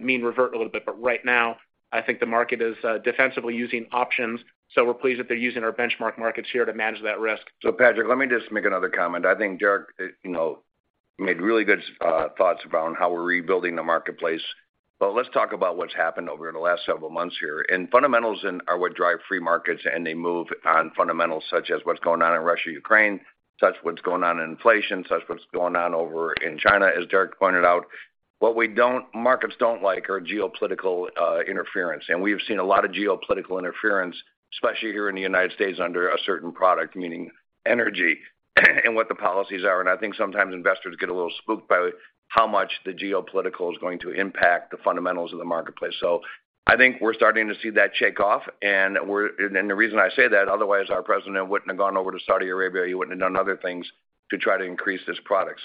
mean revert a little bit. Right now, I think the market is defensively using options. We're pleased that they're using our benchmark markets here to manage that risk. Patrick, let me just make another comment. I think Derek, you know, made really good thoughts around how we're rebuilding the marketplace. Let's talk about what's happened over the last several months here. Fundamentals are what drive free markets, and they move on fundamentals such as what's going on in Russia, Ukraine, such as what's going on in inflation, such as what's going on over in China, as Derek pointed out. Markets don't like are geopolitical interference. We've seen a lot of geopolitical interference, especially here in the United States, under a certain product, meaning energy and what the policies are. I think sometimes investors get a little spooked by how much the geopolitical is going to impact the fundamentals of the marketplace. I think we're starting to see that shake off, and the reason I say that, otherwise our president wouldn't have gone over to Saudi Arabia, he wouldn't have done other things to try to increase this product.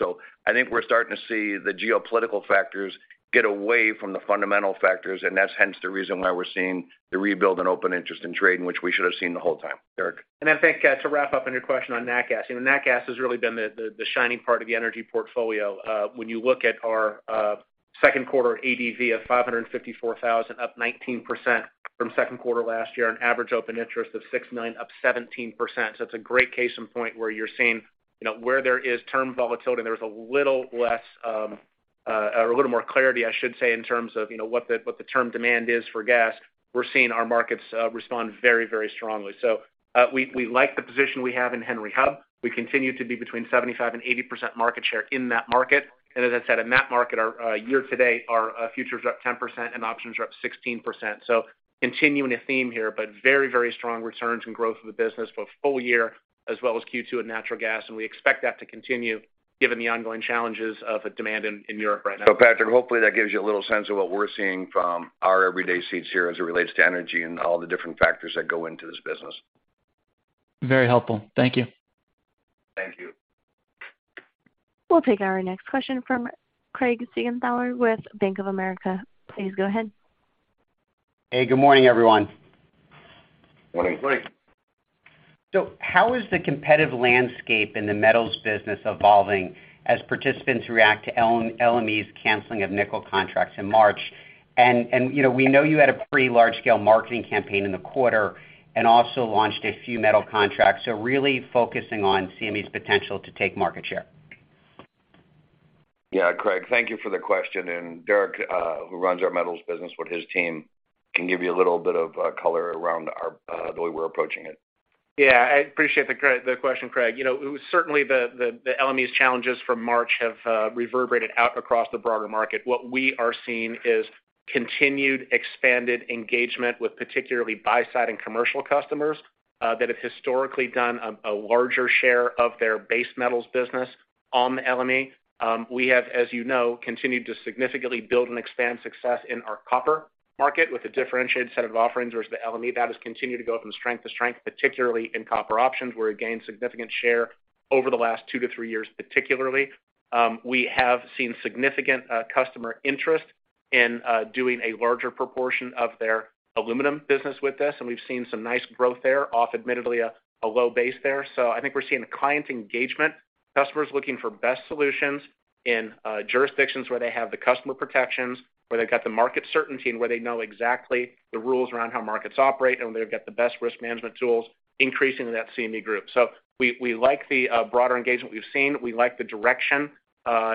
I think we're starting to see the geopolitical factors get away from the fundamental factors, and that's hence the reason why we're seeing the rebuild and open interest in trading, which we should have seen the whole time. Derek. I think to wrap up on your question on nat gas. You know, nat gas has really been the shining part of the energy portfolio. When you look at our second quarter ADV of 554,000, up 19% from second quarter last year, an average open interest of 6.9, up 17%. It's a great case in point where you're seeing, you know, where there is term volatility, there's a little less or a little more clarity, I should say, in terms of, you know, what the term demand is for gas. We're seeing our markets respond very strongly. We like the position we have in Henry Hub. We continue to be between 75% and 80% market share in that market. as I said, in that market, our year to date, our futures are up 10% and options are up 16%. Continuing a theme here, but very, very strong returns and growth of the business for a full year as well as Q2 in natural gas, and we expect that to continue given the ongoing challenges and demand in Europe right now. Patrick, hopefully that gives you a little sense of what we're seeing from our everyday seats here as it relates to energy and all the different factors that go into this business. Very helpful. Thank you. Thank you. We'll take our next question from Craig Siegenthaler with Bank of America. Please go ahead. Hey, good morning, everyone. Morning, Craig. How is the competitive landscape in the metals business evolving as participants react to the LME's canceling of nickel contracts in March? You know, we know you had a pretty large scale marketing campaign in the quarter and also launched a few metal contracts. Really focusing on CME's potential to take market share. Yeah, Craig, thank you for the question. Derek, who runs our metals business with his team, can give you a little bit of color around the way we're approaching it. Yeah, I appreciate the question, Craig. You know, certainly the LME's challenges from March have reverberated out across the broader market. What we are seeing is continued expanded engagement with particularly buy-side and commercial customers that have historically done a larger share of their base metals business on LME. We have, as you know, continued to significantly build and expand success in our copper market with a differentiated set of offerings versus the LME. That has continued to go from strength to strength, particularly in copper options, where we've gained significant share over the last two to three years, particularly. We have seen significant customer interest in doing a larger proportion of their aluminum business with us, and we've seen some nice growth there, off admittedly a low base there. I think we're seeing client engagement, customers looking for best solutions in jurisdictions where they have the customer protections, where they've got the market certainty, and where they know exactly the rules around how markets operate and where they've got the best risk management tools, increasing in that CME Group. We like the broader engagement we've seen. We like the direction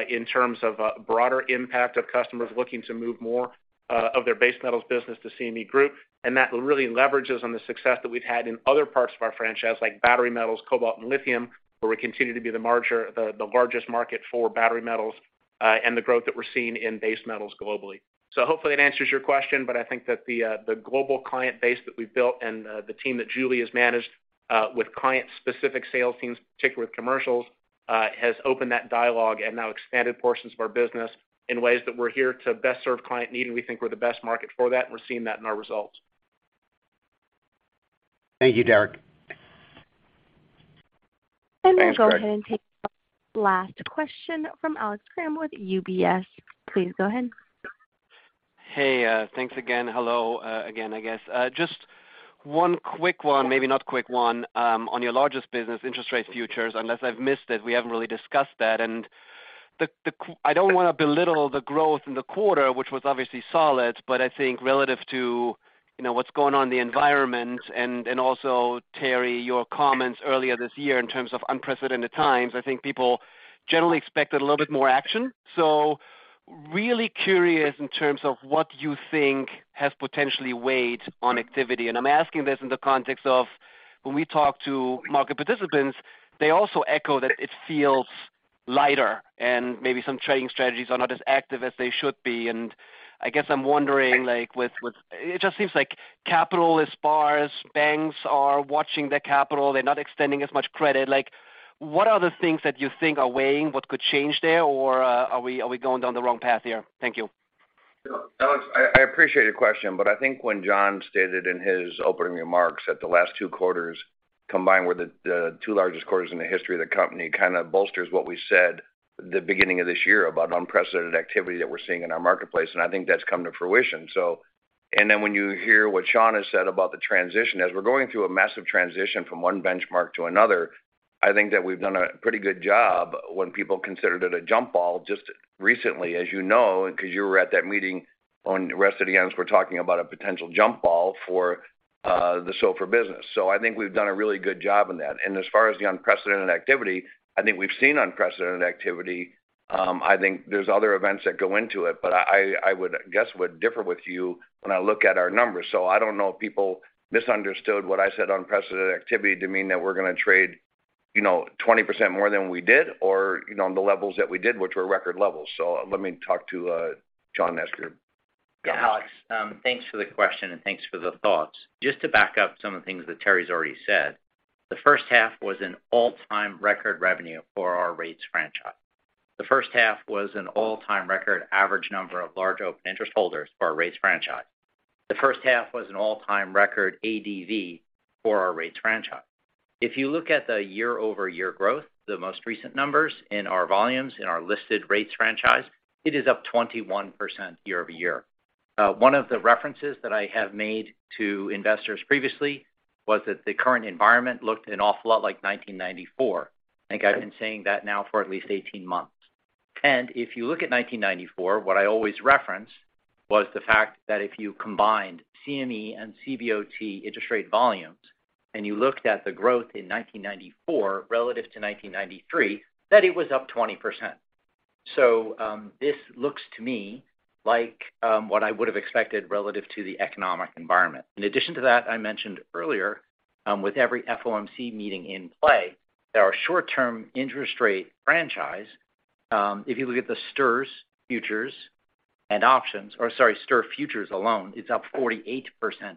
in terms of a broader impact of customers looking to move more of their base metals business to CME Group. That really leverages on the success that we've had in other parts of our franchise, like battery metals, cobalt and lithium, where we continue to be the largest market for battery metals, and the growth that we're seeing in base metals globally. Hopefully that answers your question, but I think that the global client base that we've built and the team that Julie has managed with client-specific sales teams, particularly with commercials, has opened that dialogue and now expanded portions of our business in ways that we're here to best serve client need, and we think we're the best market for that, and we're seeing that in our results. Thank you, Derek. Thanks, Craig. We'll go ahead and take our last question from Alex Kramm with UBS. Please go ahead. Hey, thanks again. Hello, again, I guess. Just one quick one, maybe not quick one, on your largest business, interest rate futures, unless I've missed it, we haven't really discussed that. I don't wanna belittle the growth in the quarter, which was obviously solid, but I think relative to, you know, what's going on in the environment and also Terry, your comments earlier this year in terms of unprecedented times, I think people generally expected a little bit more action. Really curious in terms of what you think has potentially weighed on activity, and I'm asking this in the context of when we talk to market participants, they also echo that it feels lighter and maybe some trading strategies are not as active as they should be. I guess I'm wondering, like, with... It just seems like capital is sparse, banks are watching their capital, they're not extending as much credit. Like, what are the things that you think are weighing what could change there? Or, are we going down the wrong path here? Thank you. Alex, I appreciate your question, but I think when John stated in his opening remarks that the last two quarters, combined with the two largest quarters in the history of the company, kinda bolsters what we said the beginning of this year about unprecedented activity that we're seeing in our marketplace, and I think that's come to fruition. When you hear what Sean has said about the transition, as we're going through a massive transition from one benchmark to another, I think that we've done a pretty good job when people considered it a jump ball just recently, as you know, 'cause you were at that meeting on Rest of the Yams, we're talking about a potential jump ball for the SOFR business. I think we've done a really good job in that. As far as the unprecedented activity, I think we've seen unprecedented activity. I think there's other events that go into it, but I would guess would differ with you when I look at our numbers. I don't know if people misunderstood what I said unprecedented activity to mean that we're gonna trade, you know, 20% more than we did or, you know, on the levels that we did, which were record levels. Let me talk to John Pietrowicz. Yeah, Alex, thanks for the question, and thanks for the thoughts. Just to back up some of the things that Terry's already said, the first half was an all-time record revenue for our rates franchise. The first half was an all-time record average number of large open interest holders for our rates franchise. The first half was an all-time record ADV for our rates franchise. If you look at the year-over-year growth, the most recent numbers in our volumes, in our listed rates franchise, it is up 21% year-over-year. One of the references that I have made to investors previously was that the current environment looked an awful lot like 1994. I think I've been saying that now for at least 18 months. If you look at 1994, what I always reference was the fact that if you combined CME and CBOT interest rate volumes, and you looked at the growth in 1994 relative to 1993, that it was up 20%. This looks to me like what I would have expected relative to the economic environment. In addition to that, I mentioned earlier, with every FOMC meeting in play, that our short-term interest rate franchise, if you look at the STIR futures alone, it's up 48%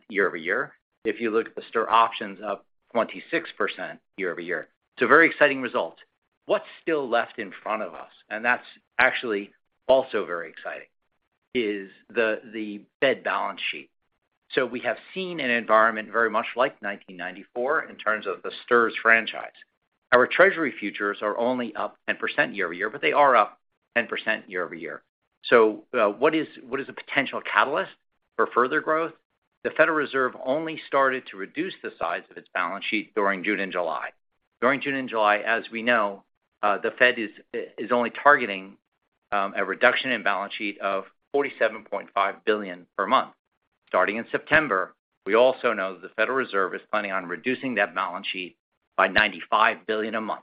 year-over-year. If you look at the STIR options, up 26% year-over-year. It's a very exciting result. What's still left in front of us, and that's actually also very exciting, is the Fed balance sheet. We have seen an environment very much like 1994 in terms of the STIRS franchise. Our Treasury futures are only up 10% year-over-year, but they are up 10% year-over-year. What is a potential catalyst for further growth? The Federal Reserve only started to reduce the size of its balance sheet during June and July. During June and July, as we know, the Fed is only targeting a reduction in balance sheet of $47.5 billion per month. Starting in September, we also know the Federal Reserve is planning on reducing that balance sheet by $95 billion a month.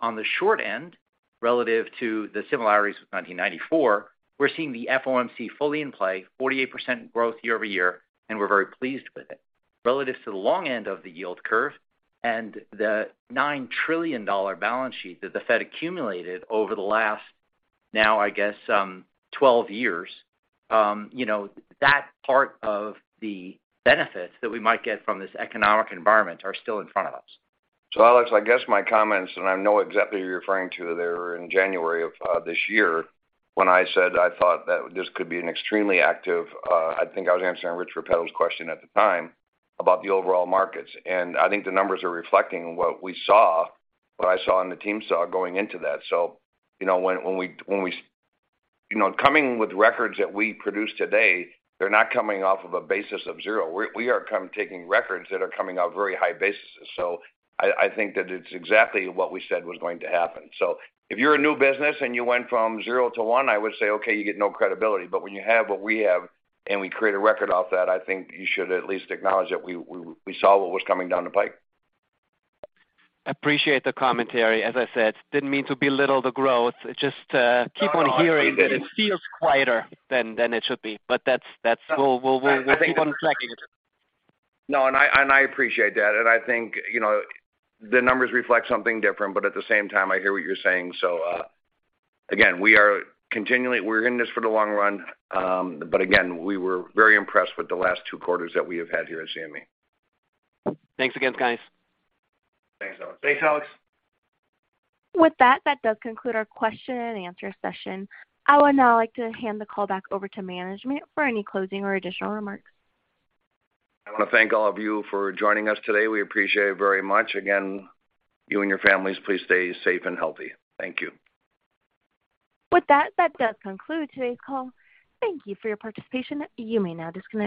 On the short end, relative to the similarities with 1994, we're seeing the FOMC fully in play, 48% growth year-over-year, and we're very pleased with it. Relative to the long end of the yield curve and the $9 trillion balance sheet that the Fed accumulated over the last now, I guess, 12 years, you know, that part of the benefits that we might get from this economic environment are still in front of us. Alex, I guess my comments, and I know exactly who you're referring to there in January of this year, when I said I thought that this could be an extremely active. I think I was answering Rich Repetto's question at the time about the overall markets. I think the numbers are reflecting what we saw, what I saw and the team saw going into that. You know, coming with records that we produce today, they're not coming off of a basis of zero. We are taking records that are coming out very high bases. I think that it's exactly what we said was going to happen. If you're a new business and you went from zero to one, I would say, okay, you get no credibility. When you have what we have and we create a record off that, I think you should at least acknowledge that we saw what was coming down the pipe. Appreciate the commentary. As I said, didn't mean to belittle the growth. Just, No, no, I appreciate it. Keep on hearing that it feels quieter than it should be. We'll keep on tracking it. No, I appreciate that. I think, you know, the numbers reflect something different, but at the same time, I hear what you're saying. Again, we're in this for the long run. Again, we were very impressed with the last two quarters that we have had here at CME. Thanks again, guys. Thanks, Alex. Thanks, Alex. With that does conclude our question and answer session. I would now like to hand the call back over to management for any closing or additional remarks. I wanna thank all of you for joining us today. We appreciate it very much. Again, you and your families, please stay safe and healthy. Thank you. With that does conclude today's call. Thank you for your participation. You may now disconnect.